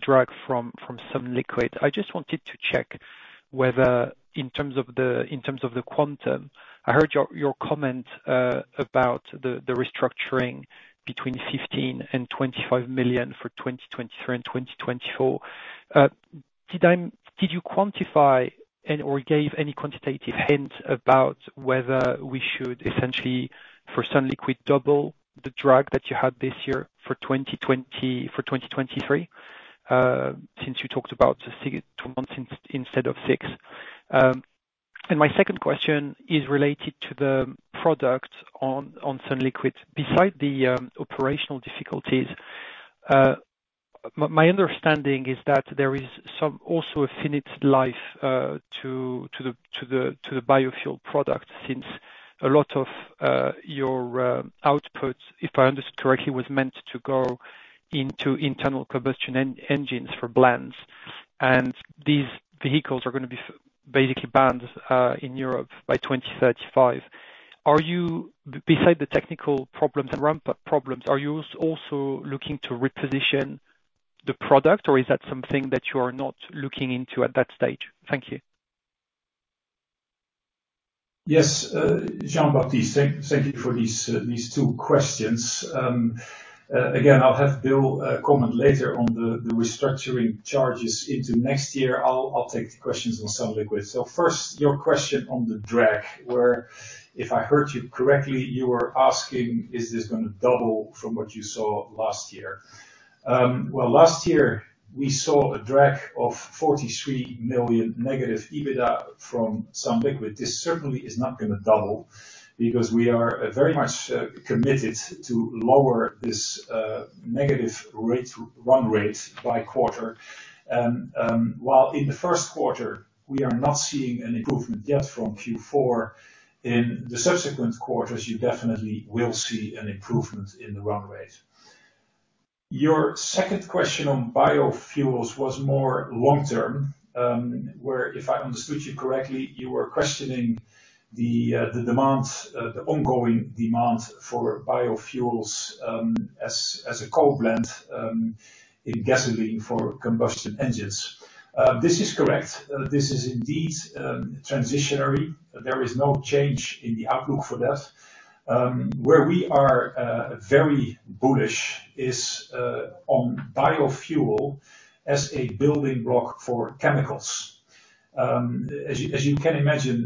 drag from sunliquid®®. I just wanted to check whether in terms of the quantum, I heard your comment about the restructuring between 15 million and 25 million for 2023 and 2024. Did you quantify any or gave any quantitative hint about whether we should essentially, for sunliquid®®, double the drag that you had this year for 2023, since you talked about 6 months instead of 6? My second question is related to the product on sunliquid®®. Beside the operational difficulties, my understanding is that there is some also a finite life to the biofuel product, since a lot of your output, if I understand correctly, was meant to go into internal combustion engines for blends. These vehicles are gonna be basically banned in Europe by 2035. Beside the technical problems and ramp-up problems, are you also looking to reposition the product, or is that something that you are not looking into at that stage? Thank you. Yes. Jean-Baptiste, thank you for these two questions. Again, I'll have Bill comment later on the restructuring charges into next year. I'll take the questions on sunliquid®. First, your question on the drag, where if I heard you correctly, you were asking, is this gonna double from what you saw last year? Well, last year we saw a drag of 43 million negative EBITDA from sunliquid®. This certainly is not gonna double because we are very much committed to lower this negative run rate by quarter. While in the first quarter we are not seeing an improvement yet from Q4. In the subsequent quarters, you definitely will see an improvement in the run rate. Your second question on biofuels was more long term, where, if I understood you correctly, you were questioning the demand, the ongoing demand for biofuels, as a coal blend, in gasoline for combustion engines. This is correct. This is indeed transitionary. There is no change in the outlook for that. Where we are very bullish is on biofuel as a building block for chemicals. As you, as you can imagine,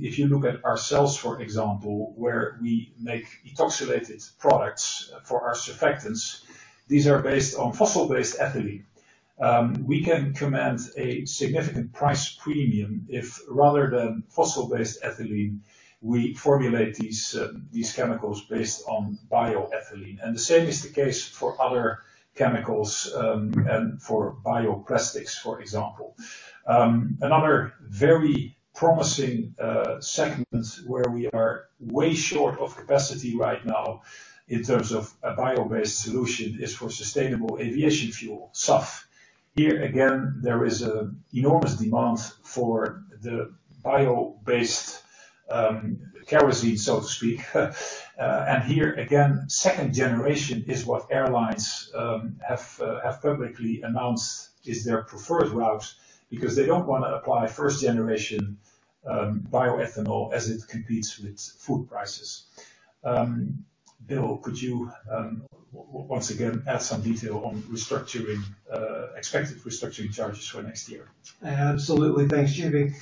if you look at our sales, for example, where we make ethoxylated products for our surfactants, these are based on fossil-based ethylene. We can command a significant price premium if rather than fossil-based ethylene, we formulate these chemicals based on bioethylene. The same is the case for other chemicals, and for bioplastics, for example. Another very promising segment where we are way short of capacity right now in terms of a bio-based solution is for sustainable aviation fuel, SAF. Here again, there is an enormous demand for the bio-based kerosene, so to speak. Here again, second generation is what airlines have publicly announced is their preferred route because they don't wanna apply first generation bioethanol as it competes with food prices. Bill, could you once again add some detail on restructuring expected restructuring charges for next year? Absolutely. Thanks, JB.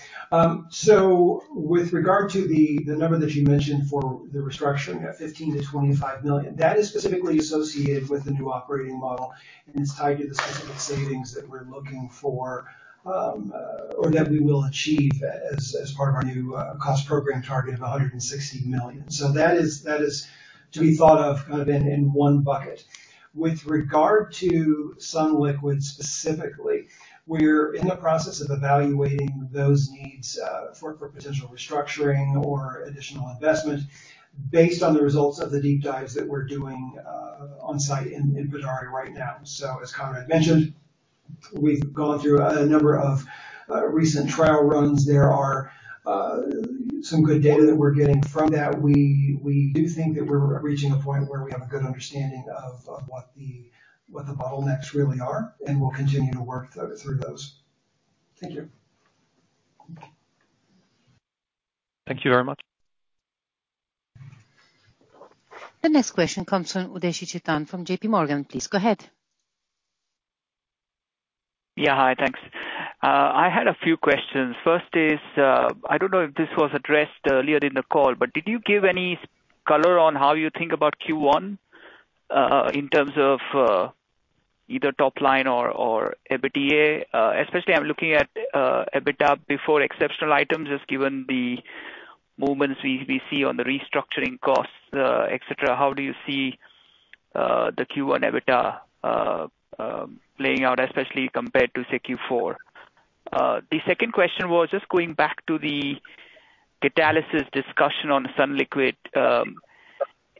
With regard to the number that you mentioned for the restructuring at 15 million-25 million, that is specifically associated with the new operating model, and it's tied to the specific savings that we're looking for, or that we will achieve as part of our new cost program target of 160 million. That is to be thought of kind of in one bucket. With regard to sunliquid® specifically, we're in the process of evaluating those needs for potential restructuring or additional investment based on the results of the deep dives that we're doing on site in Podari right now. As Conrad mentioned, we've gone through a number of recent trial runs. There are some good data that we're getting from that. We do think that we're reaching a point where we have a good understanding of what the bottlenecks really are, and we'll continue to work through those. Thank you. Thank you very much. The next question comes from Chetan Udeshi from JPMorgan. Please go ahead. Yeah. Hi. Thanks. I had a few questions. First is, I don't know if this was addressed earlier in the call, but did you give any color on how you think about Q1 in terms of either top line or EBITDA? Especially I'm looking at EBITDA before exceptional items, just given the movements we see on the restructuring costs, et cetera. How do you see the Q1 EBITDA playing out, especially compared to, say, Q4? The second question was just going back to the Catalysis discussion on sunliquid®®.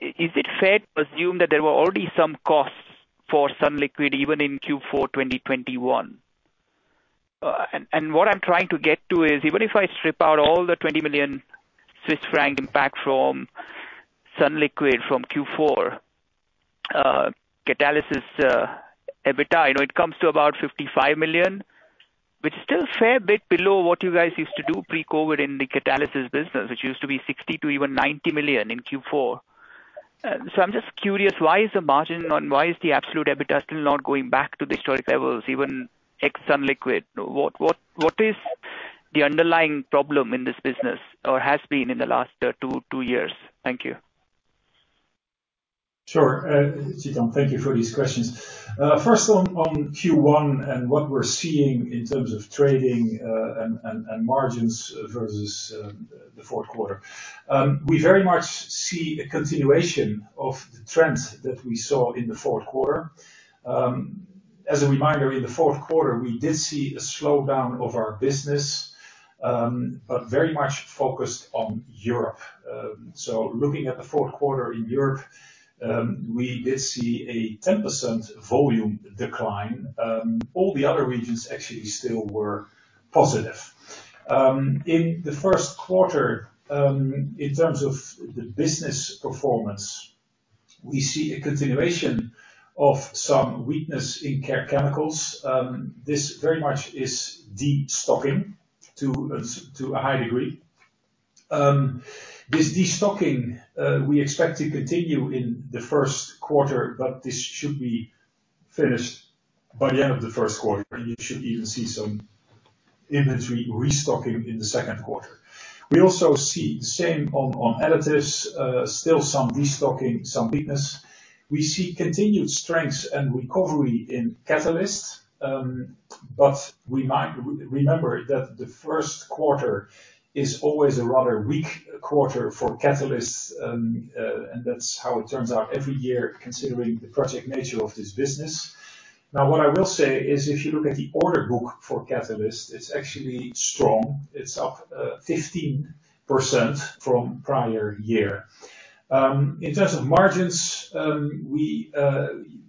Is it fair to assume that there were already some costs for sunliquid®® even in Q4 2021? What I'm trying to get to is even if I strip out all the 20 million Swiss franc impact from sunliquid® from Q4, Catalysis, EBITDA, you know, it comes to about 55 million, which is still a fair bit below what you guys used to do pre-COVID in the Catalysis business, which used to be 60 million-90 million in Q4. I'm just curious, why is the absolute EBITDA still not going back to the historic levels, even ex sunliquid®? What is the underlying problem in this business or has been in the last two years? Thank you. Sure. Chetan, thank you for these questions. First on Q1 and what we're seeing in terms of trading, and margins versus the fourth quarter. We very much see a continuation of the trends that we saw in the fourth quarter. As a reminder, in the fourth quarter, we did see a slowdown of our business, but very much focused on Europe. Looking at the fourth quarter in Europe, we did see a 10% volume decline. All the other regions actually still were positive. In the first quarter, in terms of the business performance, we see a continuation of some weakness in Care Chemicals. This very much is destocking to a high degree. This destocking, we expect to continue in the first quarter, but this should be finished by the end of the first quarter. You should even see some inventory restocking in the second quarter. We also see the same on additives, still some destocking, some weakness. We see continued strength and recovery in Catalysts, but we remember that the first quarter is always a rather weak quarter for Catalysts, and that's how it turns out every year considering the project nature of this business. What I will say is if you look at the order book for Catalysts, it's actually strong. It's up 15% from prior year. In terms of margins, we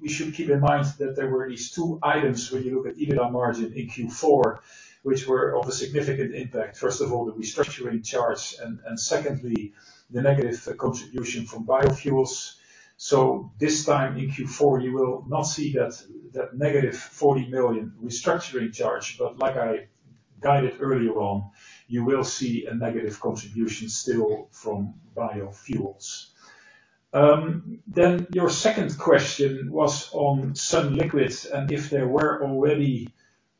should keep in mind that there were these two items when you look at EBITDA margin in Q4, which were of a significant impact. First of all, the restructuring charge and secondly, the negative contribution from biofuels. This time in Q4, you will not see that negative 40 million restructuring charge, but like I guided earlier on, you will see a negative contribution still from biofuels. Your second question was on sunliquid®, and if there were already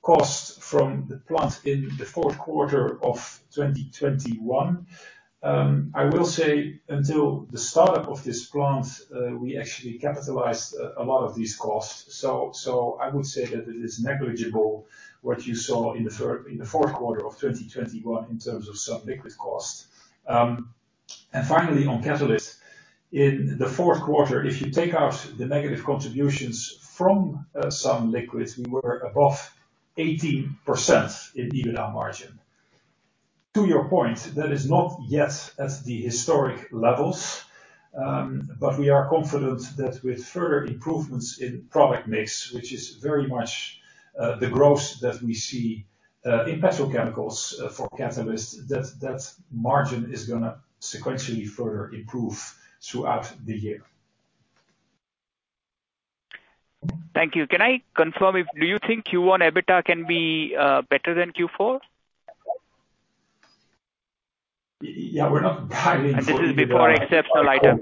costs from the plant in the fourth quarter of 2021. I will say until the startup of this plant, we actually capitalized a lot of these costs. I would say that it is negligible what you saw in the fourth quarter of 2021 in terms of sunliquid® costs. Finally, on Catalyst, in the fourth quarter, if you take out the negative contributions from sunliquid®, we were above 18% in EBITDA margin. To your point, that is not yet at the historic levels, but we are confident that with further improvements in product mix, which is very much, the growth that we see, in petrochemicals, for Catalysts, that margin is going to sequentially further improve throughout the year. Thank you. Can I confirm? Do you think Q1 EBITDA can be better than Q4? Yeah, we're not guiding for EBITDA by quarter. This is before except some items.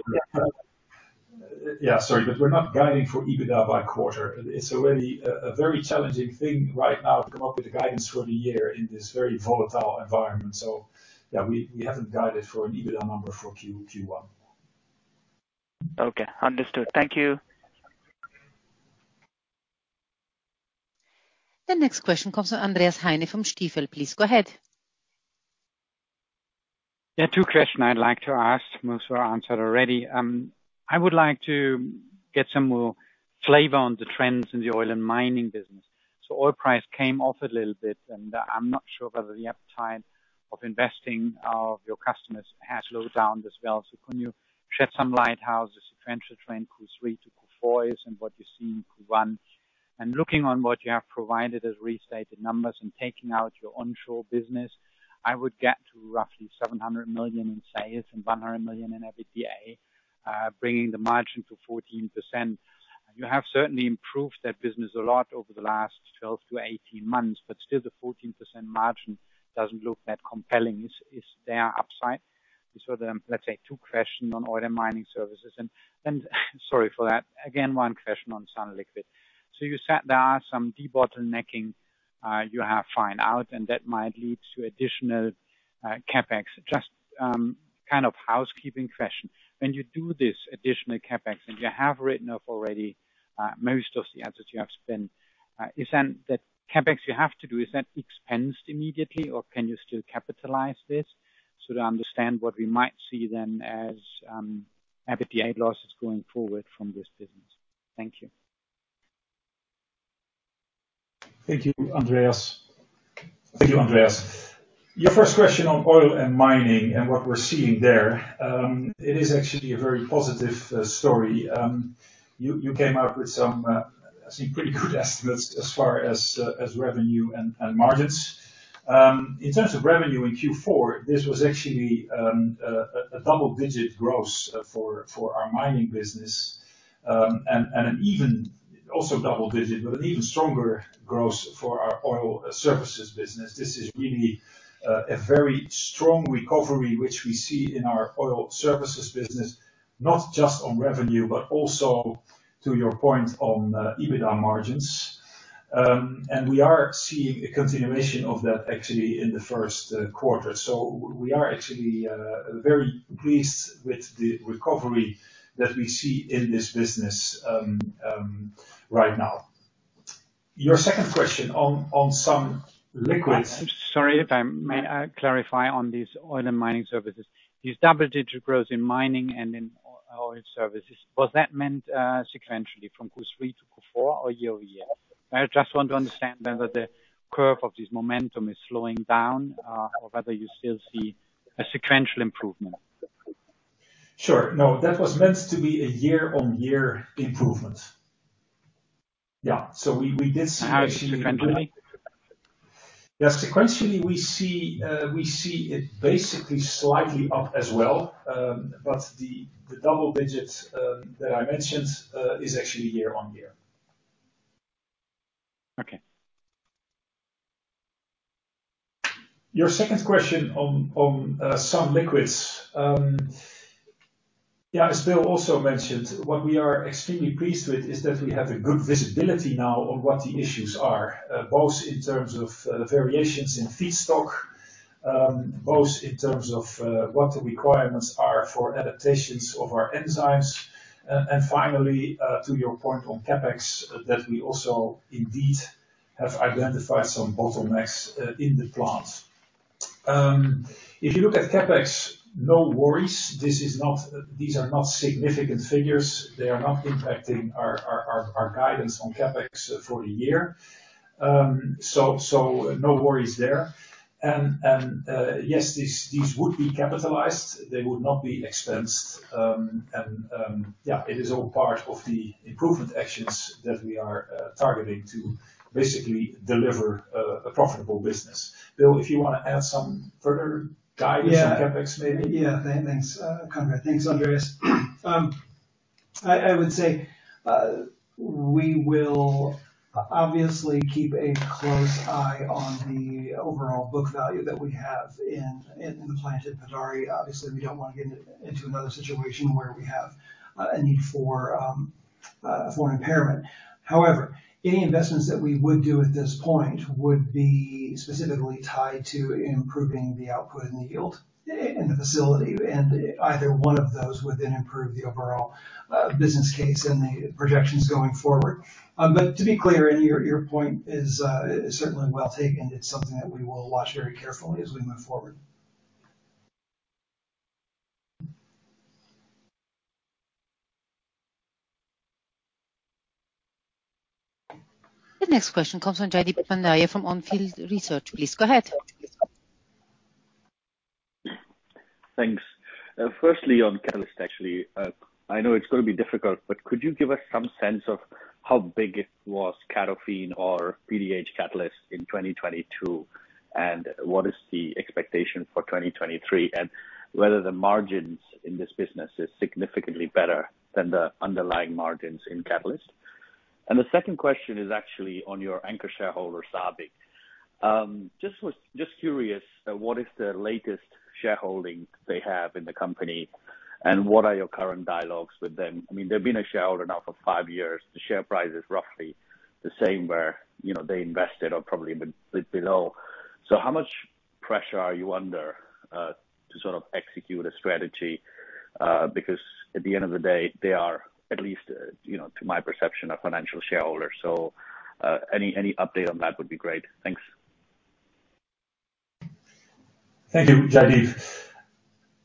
Yeah, sorry, we're not guiding for EBITDA by quarter. It's already a very challenging thing right now to come up with a guidance for the year in this very volatile environment. Yeah, we haven't guided for an EBITDA number for Q1. Okay, understood. Thank you. The next question comes from Andreas Heine from Stifel. Please go ahead. Yeah, 2 question I'd like to ask. Most were answered already. I would like to get some more flavor on the trends in the Oil and Mining business. Oil price came off a little bit, and I'm not sure whether the appetite of investing of your customers has slowed down as well. Can you shed some light how the sequential trend Q3 to Q4 is and what you see in Q1? Looking on what you have provided as restated numbers and taking out your onshore business, I would get to roughly 700 million in sales and 100 million in EBITDA, bringing the margin to 14%. You have certainly improved that business a lot over the last 12 to 18 months, but still the 14% margin doesn't look that compelling. Is there upside? These are the, let's say two questions on Oil & Mining Services. Sorry for that. Again, one question on sunliquid®. You said there are some debottlenecking, you have found out, and that might lead to additional CapEx. Just, kind of housekeeping question. When you do this additional CapEx, and you have written off already, most of the assets you have spent, is then the CapEx you have to do, is that expensed immediately, or can you still capitalize this? To understand what we might see then as EBITDA losses going forward from this business. Thank you. Thank you, Andreas. Thank you, Andreas. Your first question on Oil and Mining and what we're seeing there, it is actually a very positive story. You came up with some pretty good estimates as far as revenue and margins. In terms of revenue in Q4, this was actually a double digit growth for our Mining business. An even also double digit, but an even stronger growth for our Oil Services business. This is really a very strong recovery, which we see in our Oil Services business, not just on revenue, but also to your point on EBITDA margins. We are seeing a continuation of that actually in the first quarter. We are actually very pleased with the recovery that we see in this business right now. Your second question on sunliquid®- Sorry if I may, clarify on these Oil and Mining Services. These double digit growth in Mining and in Oil Services, was that meant, sequentially from Q3 to Q4 or year-over-year? I just want to understand whether the curve of this momentum is slowing down, or whether you still see a sequential improvement? Sure. No, that was meant to be a year-over-year improvement. Yeah. We did see. How is it sequentially? Yeah. Sequentially, we see, we see it basically slightly up as well. The double digits that I mentioned is actually year-on-year. Okay. Your second question on sunliquid®. Yeah, as Bill also mentioned, what we are extremely pleased with is that we have a good visibility now on what the issues are, both in terms of variations in feedstock, both in terms of what the requirements are for adaptations of our enzymes. And finally, to your point on CapEx, that we also indeed have identified some bottlenecks in the plant. If you look at CapEx, no worries. These are not significant figures. They are not impacting our guidance on CapEx for the year. No worries there. Yes, these would be capitalized. They would not be expensed. Yeah, it is all part of the improvement actions that we are targeting to basically deliver a profitable business. Bill, if you wanna add some further guidance on CapEx maybe. Yeah. Thanks, Conrad. Thanks, Andreas. I would say, we will obviously keep a close eye on the overall book value that we have in the plant at Podari. Obviously, we don't wanna get into another situation where we have a need for an impairment. However, any investments that we would do at this point would be specifically tied to improving the output and the yield in the facility, and either one of those would then improve the overall business case and the projections going forward. To be clear, and your point is certainly well taken. It's something that we will watch very carefully as we move forward. The next question comes from Jaideep Pandya from On Field Investment Research. Please go ahead. Thanks. Firstly, on Catalysts, actually. I know it's going to be difficult, could you give us some sense of how big it was Catalysts or PDH Catalyst in 2022, and what is the expectation for 2023, and whether the margins in this business is significantly better than the underlying margins in Catalysts? The second question is actually on your anchor shareholder, SABIC. Just curious, what is the latest shareholding they have in the company, and what are your current dialogues with them? I mean, they've been a shareholder now for 5 years. The share price is roughly the same where, you know, they invested or probably even bit below. How much pressure are you under to sort of execute a strategy? Because at the end of the day, they are at least, you know, to my perception, a financial shareholder. Any, any update on that would be great. Thanks. Thank you, Jaideep.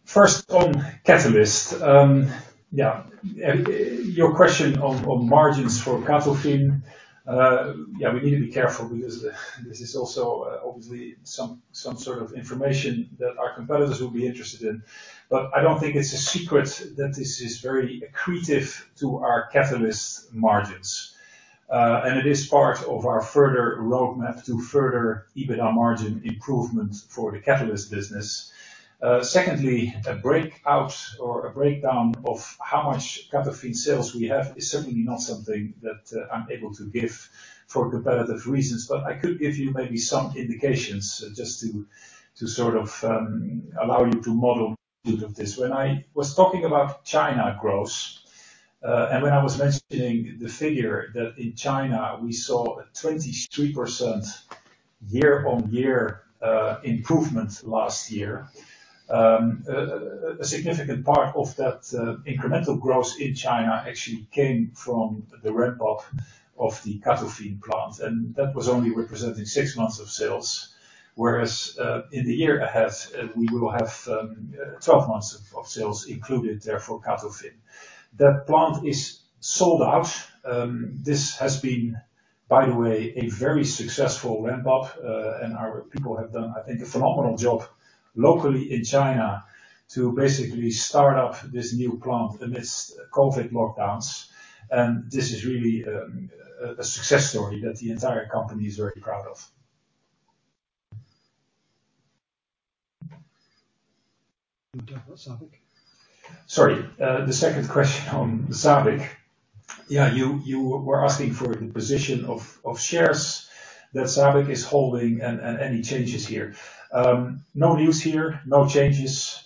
First, on Catalyst. Yeah. Your question on margins for Catalysts. Yeah, we need to be careful because this is also obviously some sort of information that our competitors will be interested in. I don't think it's a secret that this is very accretive to our Catalyst margins. Secondly, a breakout or a breakdown of how much Catalysts sales we have is certainly not something that I'm able to give for competitive reasons, but I could give you maybe some indications just to sort of allow you to model. Mm-hmm. This. When I was talking about China growth, and when I was mentioning the figure that in China we saw a 23% year-on-year improvement last year. A significant part of that incremental growth in China actually came from the ramp up of the Catalysts plant, and that was only representing six months of sales. Whereas, in the year ahead, we will have 12 months of sales included there for CATOFIN. That plant is sold out. This has been, by the way, a very successful ramp-up. Our people have done, I think, a phenomenal job locally in China to basically start up this new plant amidst COVID lockdowns. This is really a success story that the entire company is very proud of. You want to talk about SABIC? Sorry. The second question on SABIC. You were asking for the position of shares that SABIC is holding and any changes here. No news here, no changes.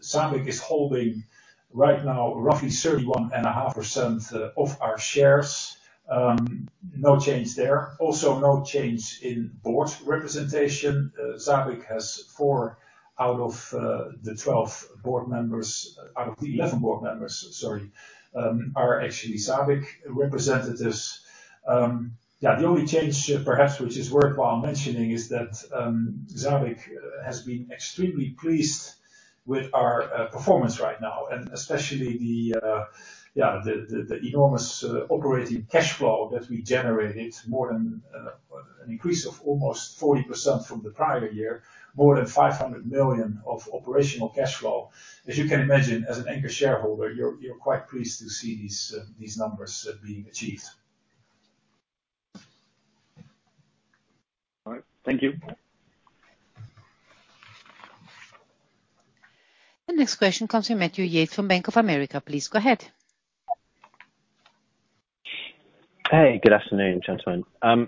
SABIC is holding right now roughly 31.5% of our shares. No change there. Also, no change in board representation. SABIC has 4 out of the 11 board members, sorry, are actually SABIC representatives. The only change perhaps which is worthwhile mentioning is that SABIC has been extremely pleased with our performance right now, and especially the enormous operating cash flow that we generated, more than an increase of almost 40% from the prior year, more than 500 million of operational cash flow. As you can imagine, as an anchor shareholder, you're quite pleased to see these numbers being achieved. All right. Thank you. The next question comes from Matthew Yates from Bank of America. Please go ahead. Hey, good afternoon, gentlemen. A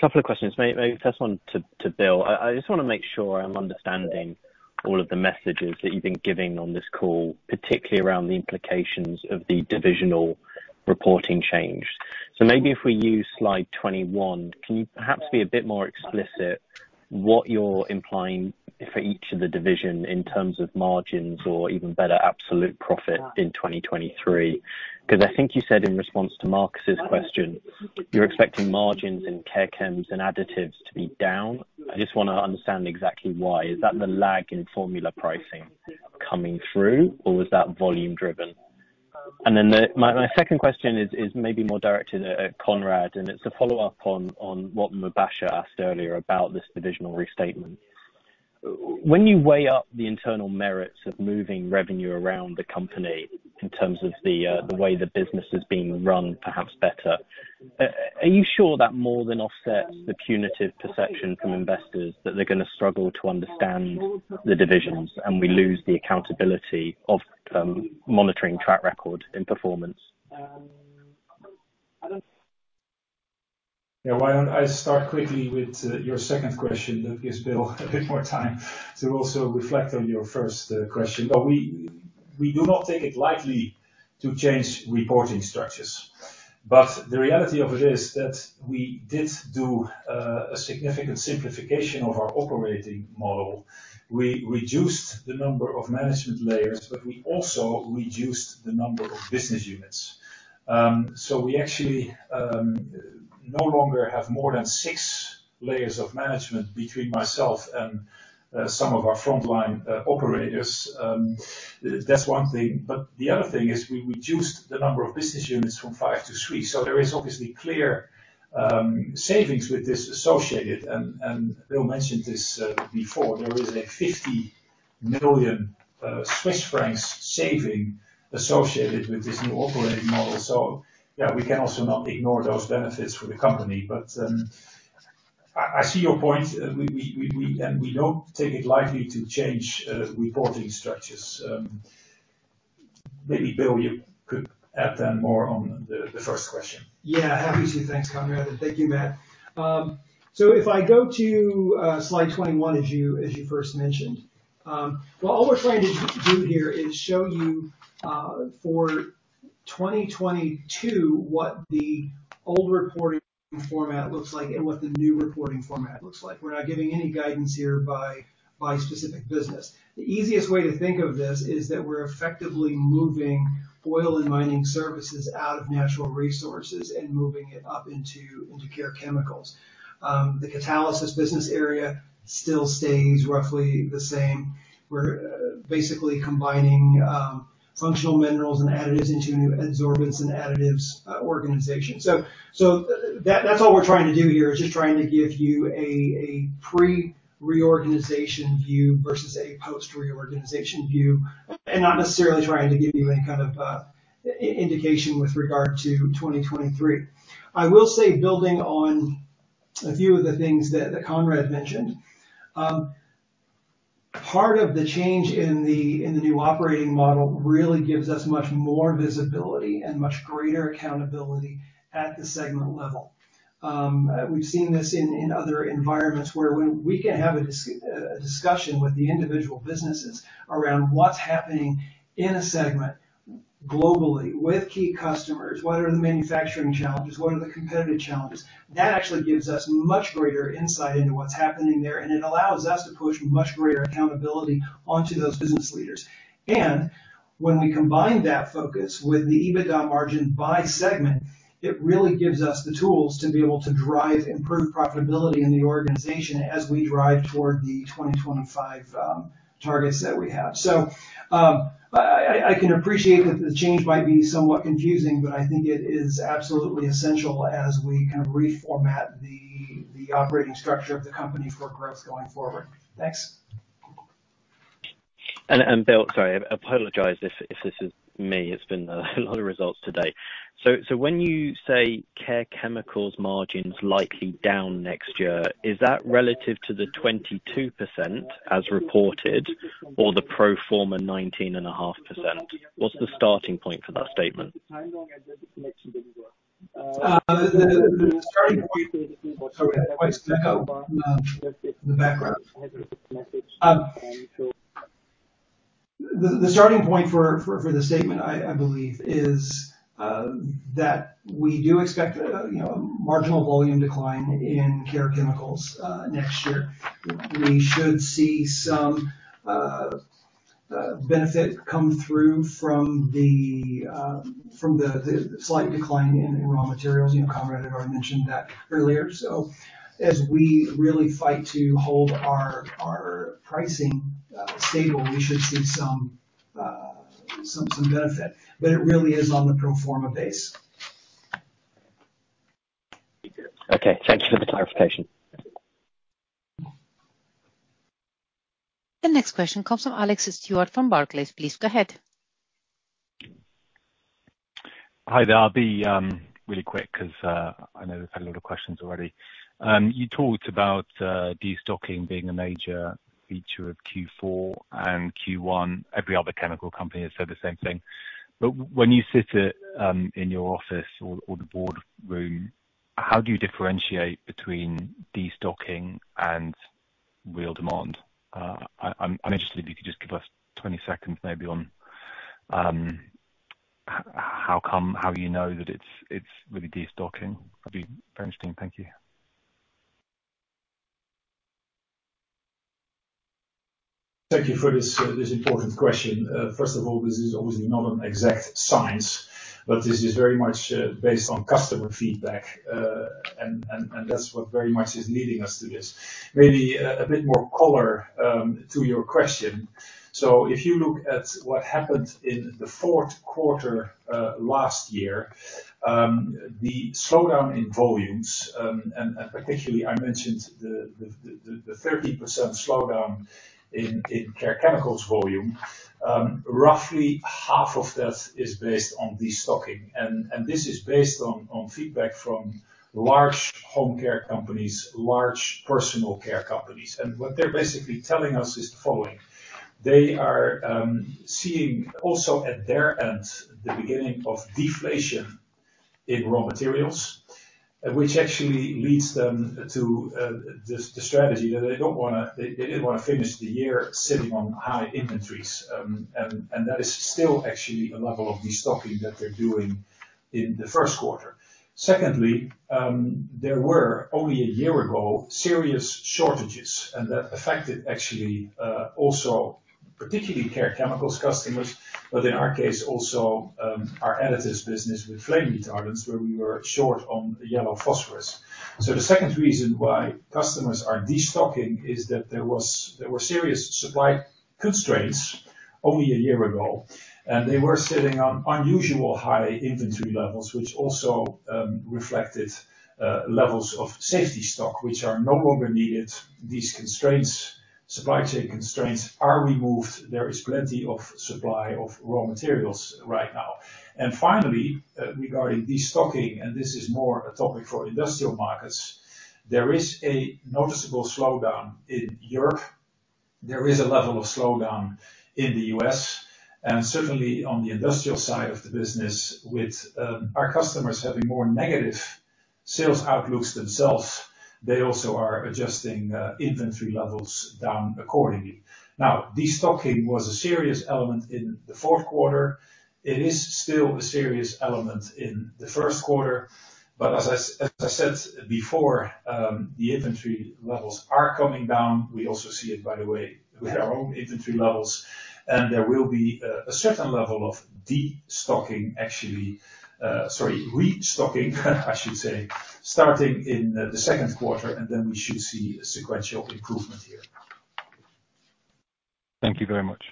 couple of questions. Maybe the first one to Bill. I just want to make sure I'm understanding all of the messages that you've been giving on this call, particularly around the implications of the divisional reporting change. Maybe if we use slide 21, can you perhaps be a bit more explicit what you're implying for each of the division in terms of margins or even better absolute profit in 2023? Because I think you said in response to Marcus's question, you're expecting margins in Care Chems and Additives to be down. I just wanna understand exactly why. Is that the lag in formula pricing coming through, or was that volume-driven? My second question is maybe more directed at Conrad, and it's a follow-up on what Mubasher asked earlier about this divisional restatement. When you weigh up the internal merits of moving revenue around the company in terms of the way the business is being run, perhaps better, are you sure that more than offsets the punitive perception from investors that they're gonna struggle to understand the divisions, and we lose the accountability of monitoring track record and performance? Yeah. Why don't I start quickly with your second question? That gives Bill a bit more time to also reflect on your first question. We do not take it lightly to change reporting structures. The reality of it is that we did do a significant simplification of our operating model. We reduced the number of management layers, but we also reduced the number of business units. We actually no longer have more than 6 layers of management between myself and some of our frontline operators. That's one thing, but the other thing is we reduced the number of business units from 5 to 3. There is obviously clear savings with this associated. Bill mentioned this before. There is a 50 million Swiss francs saving associated with this new operating model. Yeah, we can also not ignore those benefits for the company. I see your point. We, and we don't take it lightly to change reporting structures. Maybe, Bill, you could add then more on the first question. Yeah. Happy to. Thanks, Conrad, and thank you, Matt. If I go to slide 21, as you first mentioned. Well, all we're trying to do here is show you for 2022 what the old reporting format looks like and what the new reporting format looks like. We're not giving any guidance here by specific business. The easiest way to think of this is that we're effectively moving Oil & Mining Services out of Natural Resources and moving it up into Care Chemicals. The Catalysis business area still stays roughly the same. We're basically combining Functional Minerals and Additives into new Adsorbents & Additives organization. That's all we're trying to do here, is just trying to give you a pre-reorganization view versus a post-reorganization view, and not necessarily trying to give you any kind of indication with regard to 2023. I will say building on a few of the things that Conrad mentioned, part of the change in the new operating model really gives us much more visibility and much greater accountability at the segment level. We've seen this in other environments where when we can have a discussion with the individual businesses around what's happening in a segment globally with key customers, what are the manufacturing challenges? What are the competitive challenges? That actually gives us much greater insight into what's happening there, and it allows us to push much greater accountability onto those business leaders. When we combine that focus with the EBITDA margin by segment, it really gives us the tools to be able to drive improved profitability in the organization as we drive toward the 2025 targets that we have. I can appreciate that the change might be somewhat confusing, but I think it is absolutely essential as we kind of reformat the operating structure of the company for growth going forward. Thanks. Bill, sorry, I apologize if this is me. It's been a lot of results today. When you say Care Chemicals margins likely down next year, is that relative to the 22% as reported or the pro forma 19.5%? What's the starting point for that statement? The starting point. Sorry, I have mice in the background. The starting point for the statement, I believe, is that we do expect a, you know, a marginal volume decline in Care Chemicals next year. We should see some benefit come through from the slight decline in raw materials. You know, Conrad had already mentioned that earlier. As we really fight to hold our pricing stable, we should see some benefit, but it really is on the pro forma base. Okay, thank you for the clarification. The next question comes from Alex Stewart from Barclays. Please go ahead. Hi there. I'll be really quick 'cause I know there's been a lot of questions already. You talked about de-stocking being a major feature of Q4 and Q1. Every other chemical company has said the same thing. When you sit at in your office or the board room, how do you differentiate between de-stocking and real demand? I'm interested if you could just give us 20 seconds maybe on how you know that it's really de-stocking. That'd be very interesting. Thank you. Thank you for this important question. First of all, this is obviously not an exact science, but this is very much based on customer feedback. That's what very much is leading us to this. Maybe a bit more color to your question. So if you look at what happened in the fourth quarter last year, the slowdown in volumes, and particularly I mentioned the 30% slowdown in Care Chemicals volume, roughly half of that is based on de-stocking. This is based on feedback from large home care companies, large personal care companies. What they're basically telling us is the following. They are seeing also at their end, the beginning of deflation in raw materials, which actually leads them to the strategy that they didn't wanna finish the year sitting on high inventories. That is still actually a level of de-stocking that they're doing in the first quarter. Secondly, there were only a year ago serious shortages, and that affected actually also particularly Care Chemicals customers, but in our case also our Additives business with flame retardants where we were short on yellow phosphorus. The second reason why customers are de-stocking is that there were serious supply constraints only a year ago, and they were sitting on unusual high inventory levels, which also reflected levels of safety stock, which are no longer needed. These constraints, supply chain constraints are removed. There is plenty of supply of raw materials right now. Finally, regarding de-stocking, and this is more a topic for industrial markets, there is a noticeable slowdown in Europe. There is a level of slowdown in the U.S. and certainly on the industrial side of the business with our customers having more negative sales outlooks themselves. They also are adjusting inventory levels down accordingly. Now, de-stocking was a serious element in the fourth quarter. It is still a serious element in the first quarter, but as I said before, the inventory levels are coming down. We also see it by the way with our own inventory levels, and there will be a certain level of de-stocking, actually. Sorry, restocking, I should say, starting in the second quarter, we should see a sequential improvement here. Thank you very much.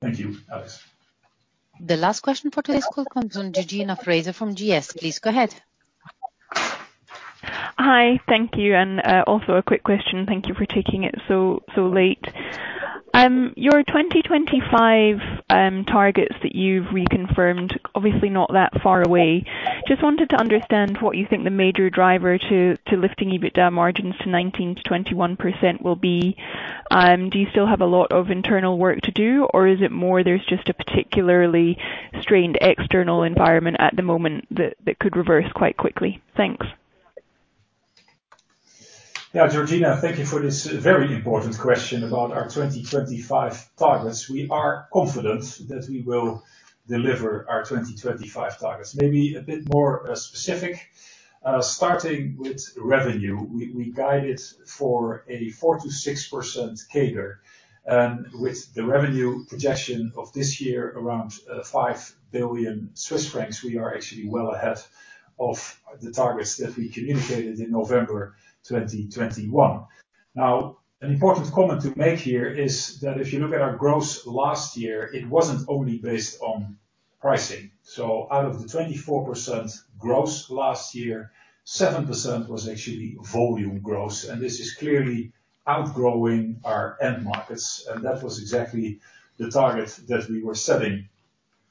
Thank you, Alex. The last question for today's call comes from Georgina Fraser from GS. Please go ahead. Hi. Thank you. Also a quick question. Thank you for taking it so late. Your 2025 targets that you've reconfirmed, obviously not that far away. Just wanted to understand what you think the major driver to lifting EBITDA margins to 19%-21% will be. Do you still have a lot of internal work to do, or is it more there's just a particularly strained external environment at the moment that could reverse quite quickly? Thanks. Georgina, thank you for this very important question about our 2025 targets. We are confident that we will deliver our 2025 targets. Maybe a bit more specific, starting with revenue. We guided for a 4%-6% CAGR. With the revenue projection of this year around 5 billion Swiss francs, we are actually well ahead of the targets that we communicated in November 2021. An important comment to make here is that if you look at our gross last year, it wasn't only based on pricing. Out of the 24% gross last year, 7% was actually volume gross, and this is clearly outgrowing our end markets. That was exactly the target that we were setting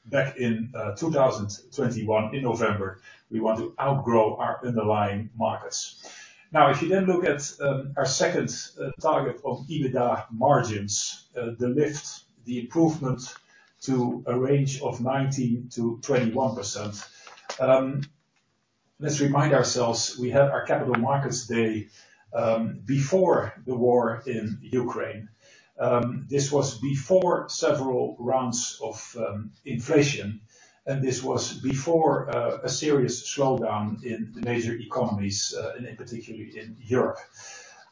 back in 2021 in November. We want to outgrow our underlying markets. If you then look at our second target of EBITDA margins, the lift, the improvement to a range of 19%-21%. Let's remind ourselves, we had our capital markets day before the war in Ukraine. This was before several rounds of inflation, and this was before a serious slowdown in the major economies and in particularly in Europe.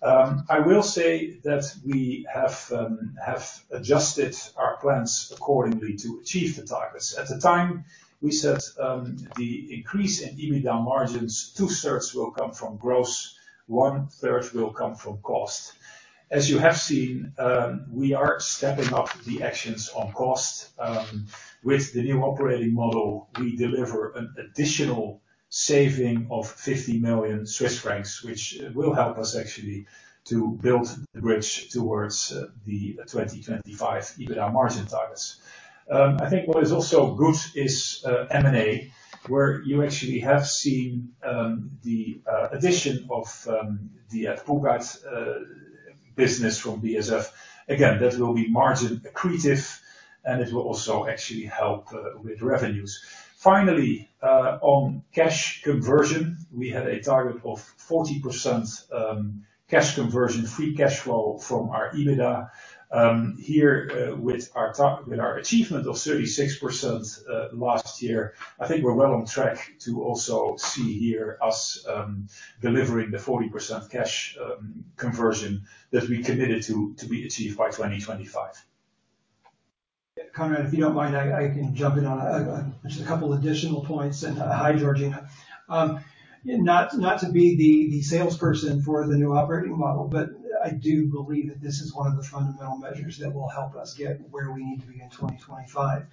I will say that we have adjusted our plans accordingly to achieve the targets. At the time, we said, the increase in EBITDA margins, two-thirds will come from gross, one third will come from cost. As you have seen, we are stepping up the actions on cost. With the new operating model, we deliver an additional saving of 50 million Swiss francs, which will help us actually to build the bridge towards the 2025 EBITDA margin targets. I think what is also good is M&A, where you actually have seen the addition of the Attapulgite business from BASF. Again, that will be margin accretive, and it will also actually help with revenues. Finally, on cash conversion, we had a target of 40% cash conversion, free cash flow from our EBITDA. Here, with our achievement of 36% last year, I think we're well on track to also see here us delivering the 40% cash conversion that we committed to be achieved by 2025. Conrad, if you don't mind, I can jump in on a just a couple additional points. Hi, Georgina. Not to be the salesperson for the new operating model, but I do believe that this is one of the fundamental measures that will help us get where we need to be in 2025.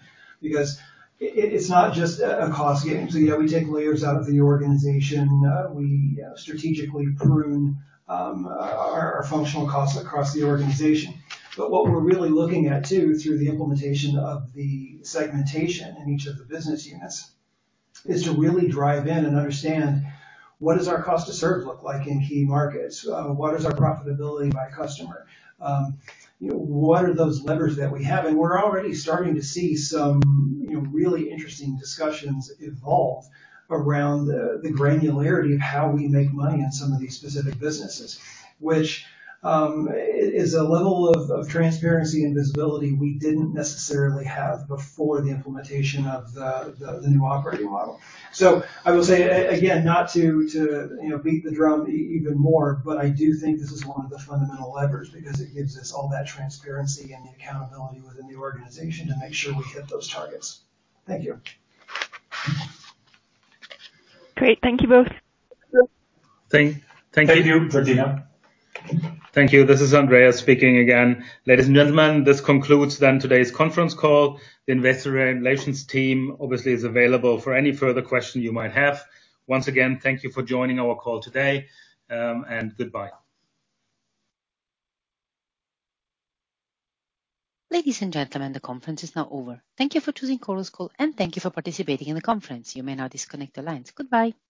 It's not just a cost game. You know, we take layers out of the organization, we strategically prune our functional costs across the organization. What we're really looking at too through the implementation of the segmentation in each of the business units is to really drive in and understand what does our cost to serve look like in key markets? What is our profitability by customer? You know, what are those levers that we have? We're already starting to see some, you know, really interesting discussions evolve around the granularity of how we make money in some of these specific businesses. Which is a level of transparency and visibility we didn't necessarily have before the implementation of the new operating model. I will say again, not to, you know, beat the drum even more, but I do think this is one of the fundamental levers because it gives us all that transparency and the accountability within the organization to make sure we hit those targets. Thank you. Great. Thank you both. Thank you. Thank you, Georgina. Thank you. This is Andreas speaking again. Ladies and gentlemen, this concludes today's conference call. The investor relations team obviously is available for any further question you might have. Once again, thank you for joining our call today, goodbye. Ladies and gentlemen, the conference is now over. Thank you for choosing Chorus Call, and thank you for participating in the conference. You may now disconnect the lines. Goodbye.